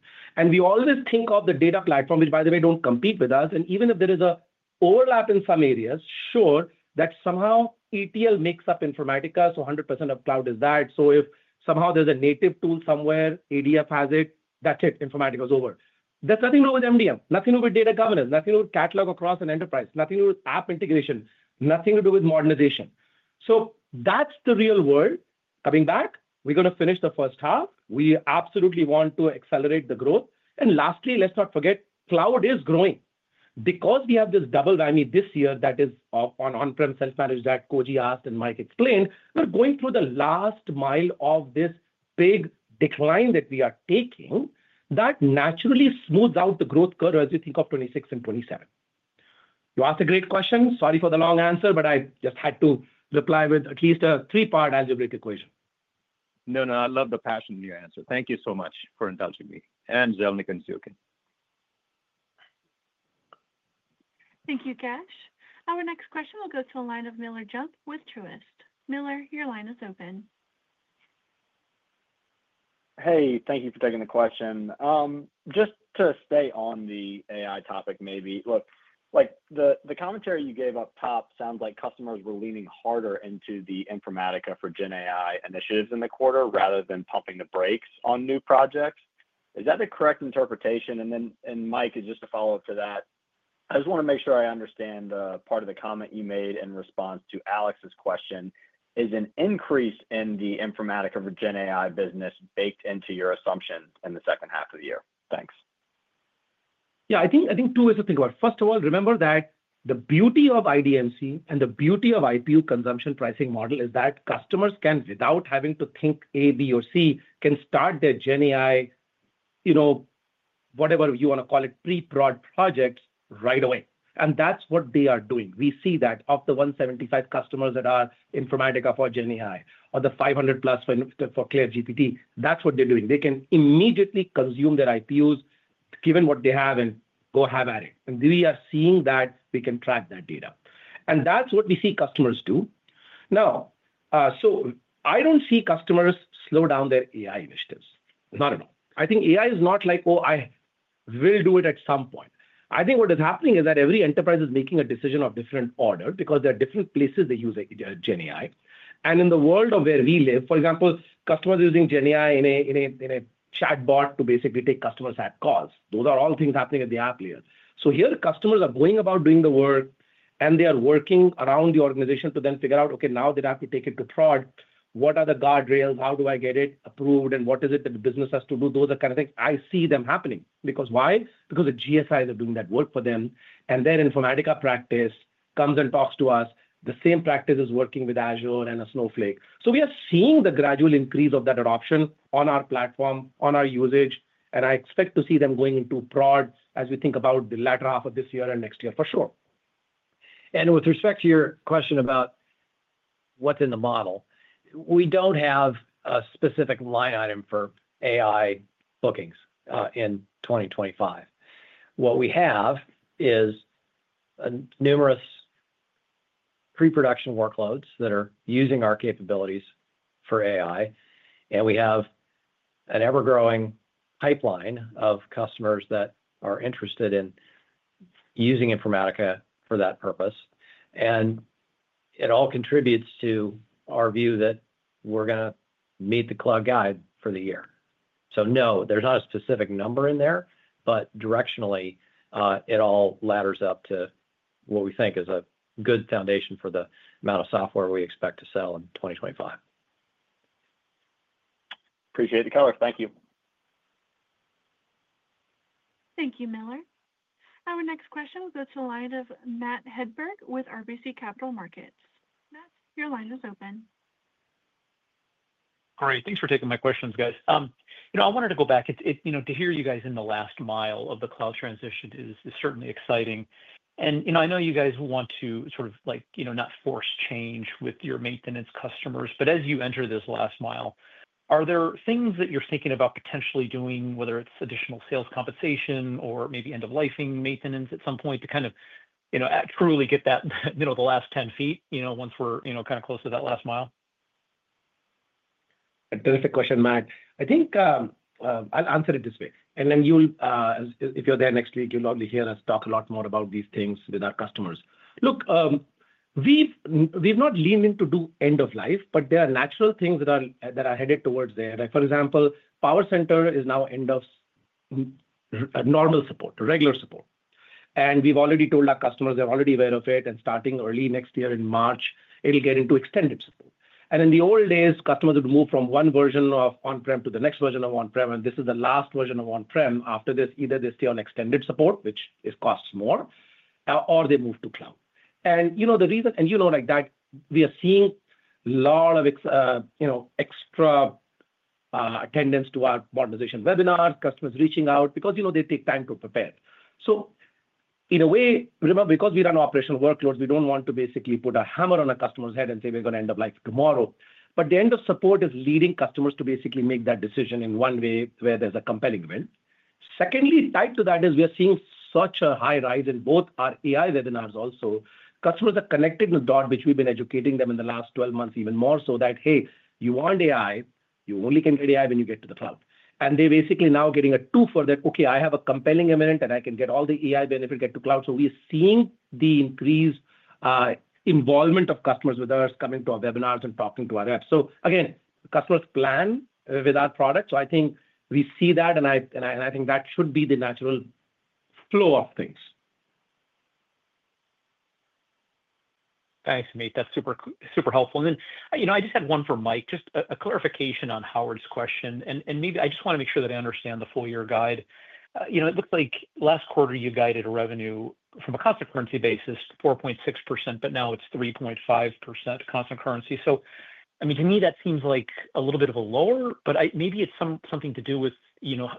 We always think of the data platform, which, by the way, do not compete with us. Even if there is an overlap in some areas, sure, that somehow ETL makes up Informatica, so 100% of cloud is that. If somehow there is a native tool somewhere, ADF has it, that is it, Informatica is over. That's nothing to do with MDM, nothing to do with data governance, nothing to do with catalog across an enterprise, nothing to do with app integration, nothing to do with modernization. That's the real world. Coming back, we're going to finish the first half. We absolutely want to accelerate the growth. Lastly, let's not forget, cloud is growing. Because we have this double whammy this year that is on on-prem self-managed that Koji asked and Mike explained, we're going through the last mile of this big decline that we are taking that naturally smooths out the growth curve as you think of 2026 and 2027. You asked a great question. Sorry for the long answer, but I just had to reply with at least a three-part algebraic equation. No, no, I love the passion in your answer. Thank you so much for indulging me. And Zelnick and Zukin. Thank you, Cash. Our next question will go to a line of Miller Jump with Truist. Miller, your line is open. Hey, thank you for taking the question. Just to stay on the AI topic maybe, look, the commentary you gave up top sounds like customers were leaning harder into the Informatica for GenAI initiatives in the quarter rather than pumping the brakes on new projects. Is that the correct interpretation? Mike, just a follow-up to that. I just want to make sure I understand part of the comment you made in response to Alex's question. Is an increase in the Informatica for GenAI business baked into your assumptions in the second half of the year? Thanks. Yeah, I think two ways to think about it. First of all, remember that the beauty of IDMC and the beauty of the IPU consumption pricing model is that customers can, without having to think A, B, or C, can start their GenAI, whatever you want to call it, pre-prod projects right away. That is what they are doing. We see that of the 175 customers that are Informatica for GenAI or the 500-plus for CLAIRE GPT, that is what they are doing. They can immediately consume their IPUs, given what they have, and go have at it. We are seeing that we can track that data. That is what we see customers do. Now, I do not see customers slow down their AI initiatives. Not at all. I think AI is not like, "Oh, I will do it at some point." I think what is happening is that every enterprise is making a decision of different order because there are different places they use GenAI. In the world of where we live, for example, customers are using GenAI in a chatbot to basically take customers' app calls. Those are all things happening at the app layer. Here, customers are going about doing the work, and they are working around the organization to then figure out, "Okay, now they'd have to take it to prod. What are the guardrails? How do I get it approved? And what is it that the business has to do?" Those are kind of things I see them happening. Because why? Because the GSIs are doing that work for them, and their Informatica practice comes and talks to us. The same practice is working with Azure and Snowflake. We are seeing the gradual increase of that adoption on our platform, on our usage, and I expect to see them going into prod as we think about the latter half of this year and next year, for sure. With respect to your question about what's in the model, we do not have a specific line item for AI bookings in 2025. What we have is numerous pre-production workloads that are using our capabilities for AI, and we have an ever-growing pipeline of customers that are interested in using Informatica for that purpose. It all contributes to our view that we're going to meet the cloud guide for the year. No, there's not a specific number in there, but directionally, it all ladders up to what we think is a good foundation for the amount of software we expect to sell in 2025. Appreciate it, the color. Thank you. Thank you, Miller. Our next question will go to a line of Matt Hedberg with RBC Capital Markets. Matt, your line is open. All right. Thanks for taking my questions, guys. I wanted to go back to hear you guys in the last mile of the cloud transition is certainly exciting. I know you guys want to sort of not force change with your maintenance customers, but as you enter this last mile, are there things that you're thinking about potentially doing, whether it's additional sales compensation or maybe end-of-lifing maintenance at some point to kind of truly get that the last 10 feet once we're kind of close to that last mile? That's a question, Matt. I think I'll answer it this way. If you're there next week, you'll probably hear us talk a lot more about these things with our customers. Look, we've not leaned into end-of-life, but there are natural things that are headed towards there. For example, PowerCenter is now end-of-normal support, regular support. We've already told our customers, they're already aware of it, and starting early next year in March, it'll get into extended support. In the old days, customers would move from one version of on-prem to the next version of on-prem, and this is the last version of on-prem. After this, either they stay on extended support, which costs more, or they move to cloud. The reason, and you know that we are seeing a lot of extra attendance to our modernization webinars, customers reaching out because they take time to prepare. In a way, because we run operational workloads, we do not want to basically put a hammer on a customer's head and say, "We're going to end of life tomorrow." The end-of-support is leading customers to basically make that decision in one way where there is a compelling event. Secondly, tied to that is we are seeing such a high rise in both our AI webinars also. Customers are connected in a dot which we've been educating them in the last 12 months even more so that, "Hey, you want AI, you only can get AI when you get to the cloud." They are basically now getting a two-furth that, "Okay, I have a compelling event, and I can get all the AI benefit, get to cloud." We are seeing the increased involvement of customers with us coming to our webinars and talking to our reps. Again, customers plan with our product. I think we see that, and I think that should be the natural flow of things. Thanks, Mate. That's super helpful. I just had one for Mike, just a clarification on Howard's question. Maybe I just want to make sure that I understand the full year guide. It looks like last quarter, you guided a revenue from a constant currency basis, 4.6%, but now it's 3.5% constant currency. So I mean, to me, that seems like a little bit of a lower, but maybe it's something to do with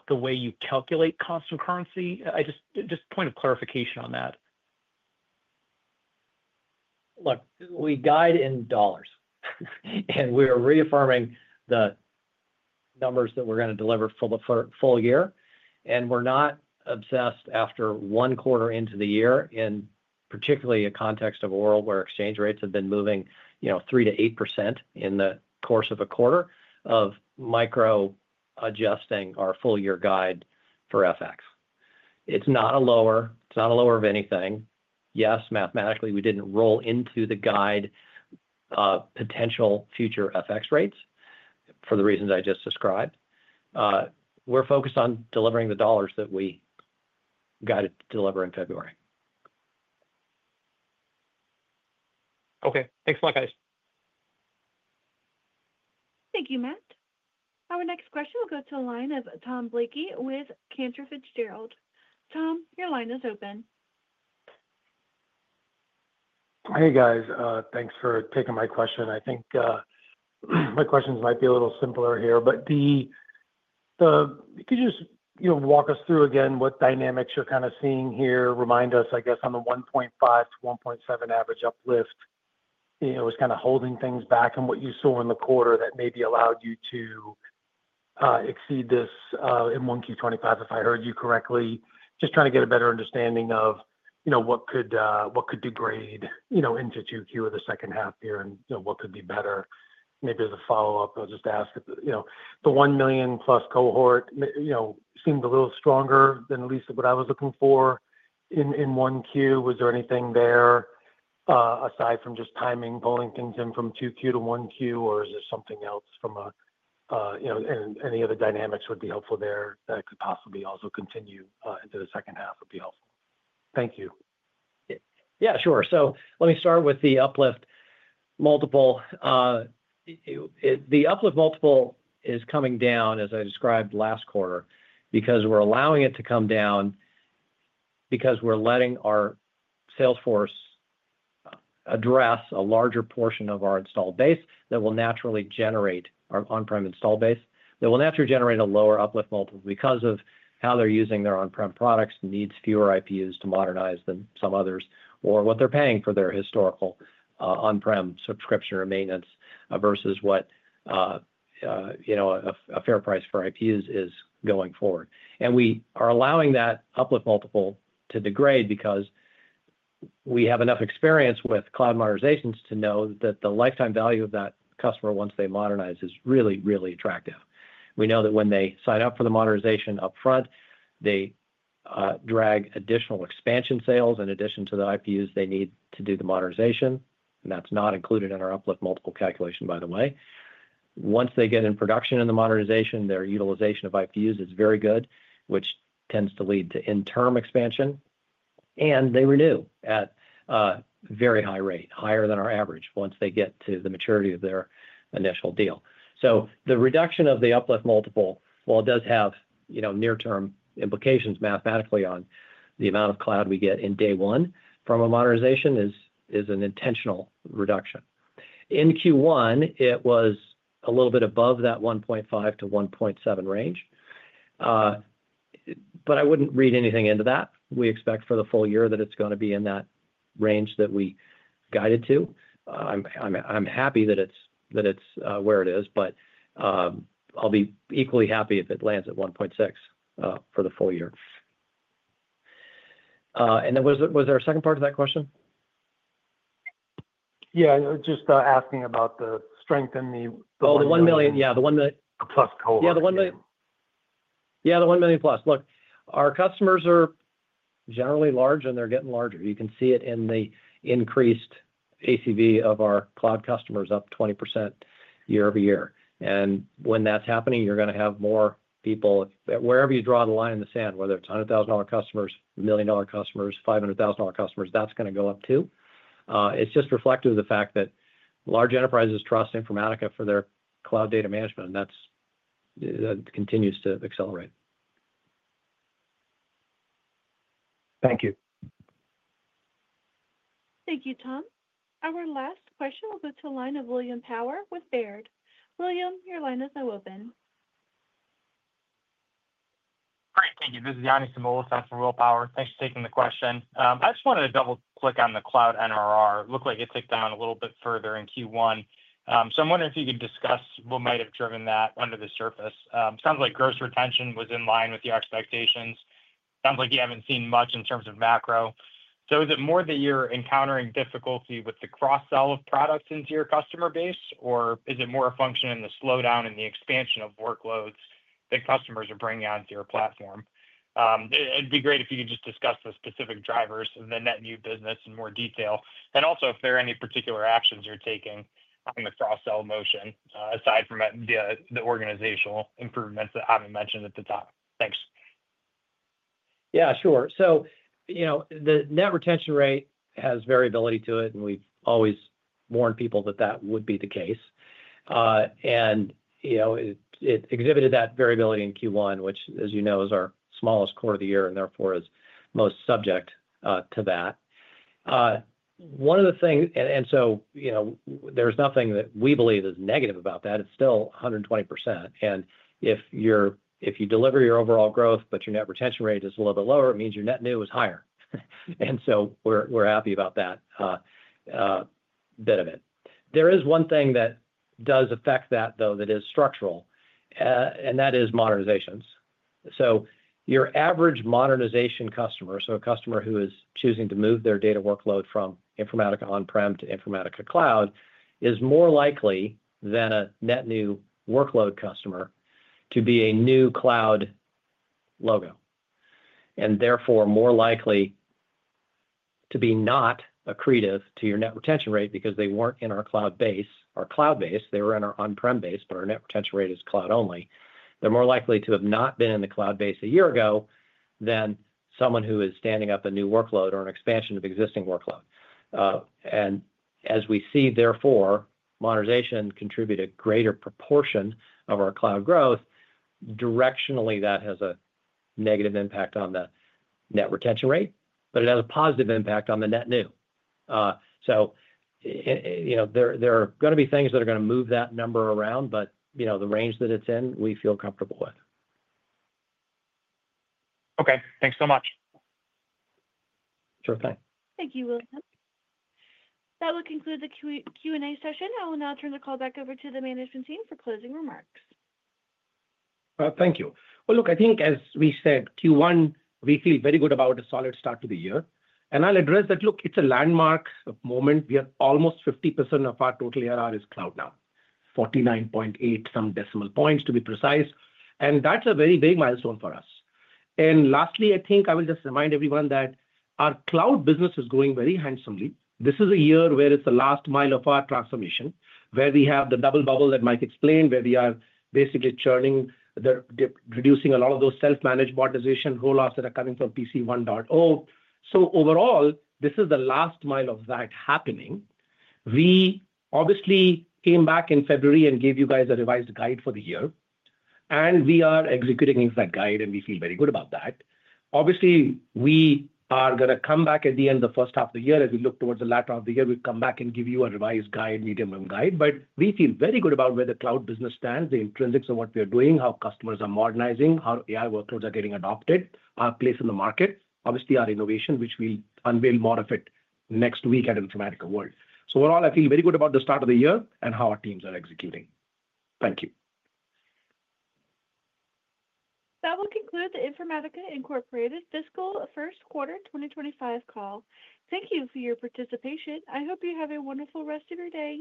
the way you calculate constant currency. Just point of clarification on that. Look, we guide in dollars, and we are reaffirming the numbers that we're going to deliver for the full year. And we're not obsessed after one quarter into the year, in particularly a context of a world where exchange rates have been moving 3-8% in the course of a quarter of micro-adjusting our full year guide for FX. It's not a lower. It's not a lower of anything. Yes, mathematically, we didn't roll into the guide potential future FX rates for the reasons I just described. We're focused on delivering the dollars that we guided to deliver in February. Okay. Thanks a lot, guys. Thank you, Matt. Our next question will go to a line of Tom Blakey with Cantor Fitzgerald. Tom, your line is open. Hey, guys. Thanks for taking my question. I think my questions might be a little simpler here, but could you just walk us through again what dynamics you're kind of seeing here? Remind us, I guess, on the 1.5-1.7 average uplift, it was kind of holding things back in what you saw in the quarter that maybe allowed you to exceed this in 1Q 2025, if I heard you correctly. Just trying to get a better understanding of what could degrade into 2Q of the second half year and what could be better. Maybe as a follow-up, I'll just ask if the $1 million-plus cohort seemed a little stronger than at least what I was looking for in 1Q. Was there anything there aside from just timing, pulling things in from 2Q to 1Q, or is there something else from a any other dynamics would be helpful there that could possibly also continue into the second half would be helpful? Thank you. Yeah, sure. Let me start with the uplift multiple. The uplift multiple is coming down, as I described last quarter, because we're allowing it to come down because we're letting our salesforce address a larger portion of our installed base that will naturally generate our on-prem install base. They will naturally generate a lower uplift multiple because of how they're using their on-prem products, need fewer IPUs to modernize than some others, or what they're paying for their historical on-prem subscription or maintenance versus what a fair price for IPUs is going forward. We are allowing that uplift multiple to degrade because we have enough experience with cloud modernizations to know that the lifetime value of that customer once they modernize is really, really attractive. We know that when they sign up for the modernization upfront, they drag additional expansion sales in addition to the IPUs they need to do the modernization. That's not included in our uplift multiple calculation, by the way. Once they get in production and the modernization, their utilization of IPUs is very good, which tends to lead to interim expansion. They renew at a very high rate, higher than our average once they get to the maturity of their initial deal. The reduction of the uplift multiple, while it does have near-term implications mathematically on the amount of cloud we get in day one from a modernization, is an intentional reduction. In Q1, it was a little bit above that 1.5-1.7 range. I would not read anything into that. We expect for the full year that it is going to be in that range that we guided to. I am happy that it is where it is, but I will be equally happy if it lands at 1.6 for the full year. Was there a second part to that question? Yeah, just asking about the strength and the —Oh, the $1 million, yeah, the $1 million-plus cohort. Yeah, the $1 million-plus. Look, our customers are generally large, and they're getting larger. You can see it in the increased ACV of our cloud customers up 20% year over year. When that's happening, you're going to have more people wherever you draw the line in the sand, whether it's $100,000 customers, $1 million customers, $500,000 customers, that's going to go up too. It's just reflective of the fact that large enterprises trust Informatica for their cloud data management, and that continues to accelerate. Thank you. Thank you, Tom. Our last question will go to a line of William Power with Baird. William, your line is now open. Great. Thank you. This is Yanni Samoilis for Will Power. Thanks for taking the question. I just wanted to double-click on the cloud NRR. It looked like it ticked down a little bit further in Q1. I'm wondering if you could discuss what might have driven that under the surface. Sounds like gross retention was in line with your expectations. Sounds like you haven't seen much in terms of macro. Is it more that you're encountering difficulty with the cross-sell of products into your customer base, or is it more a function in the slowdown in the expansion of workloads that customers are bringing onto your platform? It'd be great if you could just discuss the specific drivers of the net new business in more detail, and also if there are any particular actions you're taking on the cross-sell motion aside from the organizational improvements that you mentioned at the top. Thanks. Yeah, sure. The net retention rate has variability to it, and we've always warned people that that would be the case. It exhibited that variability in Q1, which, as you know, is our smallest quarter of the year and therefore is most subject to that. One of the things—and so there is nothing that we believe is negative about that. It is still 120%. If you deliver your overall growth, but your net retention rate is a little bit lower, it means your net new is higher. We are happy about that bit of it. There is one thing that does affect that, though, that is structural, and that is modernizations. Your average modernization customer, so a customer who is choosing to move their data workload from Informatica on-prem to Informatica cloud, is more likely than a net new workload customer to be a new cloud logo, and therefore more likely to be not accretive to your net retention rate because they were not in our cloud base. They were in our on-prem base, but our net retention rate is cloud only. They are more likely to have not been in the cloud base a year ago than someone who is standing up a new workload or an expansion of existing workload. As we see, therefore, modernization contributed a greater proportion of our cloud growth. Directionally, that has a negative impact on the net retention rate, but it has a positive impact on the net new. There are going to be things that are going to move that number around, but the range that it's in, we feel comfortable with. Okay. Thanks so much. Sure thing. Thank you, William. That will conclude the Q&A session. I will now turn the call back over to the management team for closing remarks. Thank you. I think, as we said, Q1, we feel very good about a solid start to the year. I'll address that. It is a landmark moment. We have almost 50% of our total ARR is cloud now, 49.8 some decimal points to be precise. That is a very, very milestone for us. Lastly, I think I will just remind everyone that our cloud business is growing very handsomely. This is a year where it's the last mile of our transformation, where we have the double bubble that Mike explained, where we are basically churning, reducing a lot of those self-managed modernization rollouts that are coming from PC 1.0. Overall, this is the last mile of that happening. We obviously came back in February and gave you guys a revised guide for the year. We are executing that guide, and we feel very good about that. Obviously, we are going to come back at the end of the first half of the year. As we look towards the latter half of the year, we'll come back and give you a revised guide, medium-term guide. We feel very good about where the cloud business stands, the intrinsics of what we are doing, how customers are modernizing, how AI workloads are getting adopted, our place in the market, obviously our innovation, which we will unveil more of next week at Informatica World. Overall, I feel very good about the start of the year and how our teams are executing. Thank you. That will conclude the Informatica Fiscal First Quarter 2025 Call. Thank you for your participation. I hope you have a wonderful rest of your day.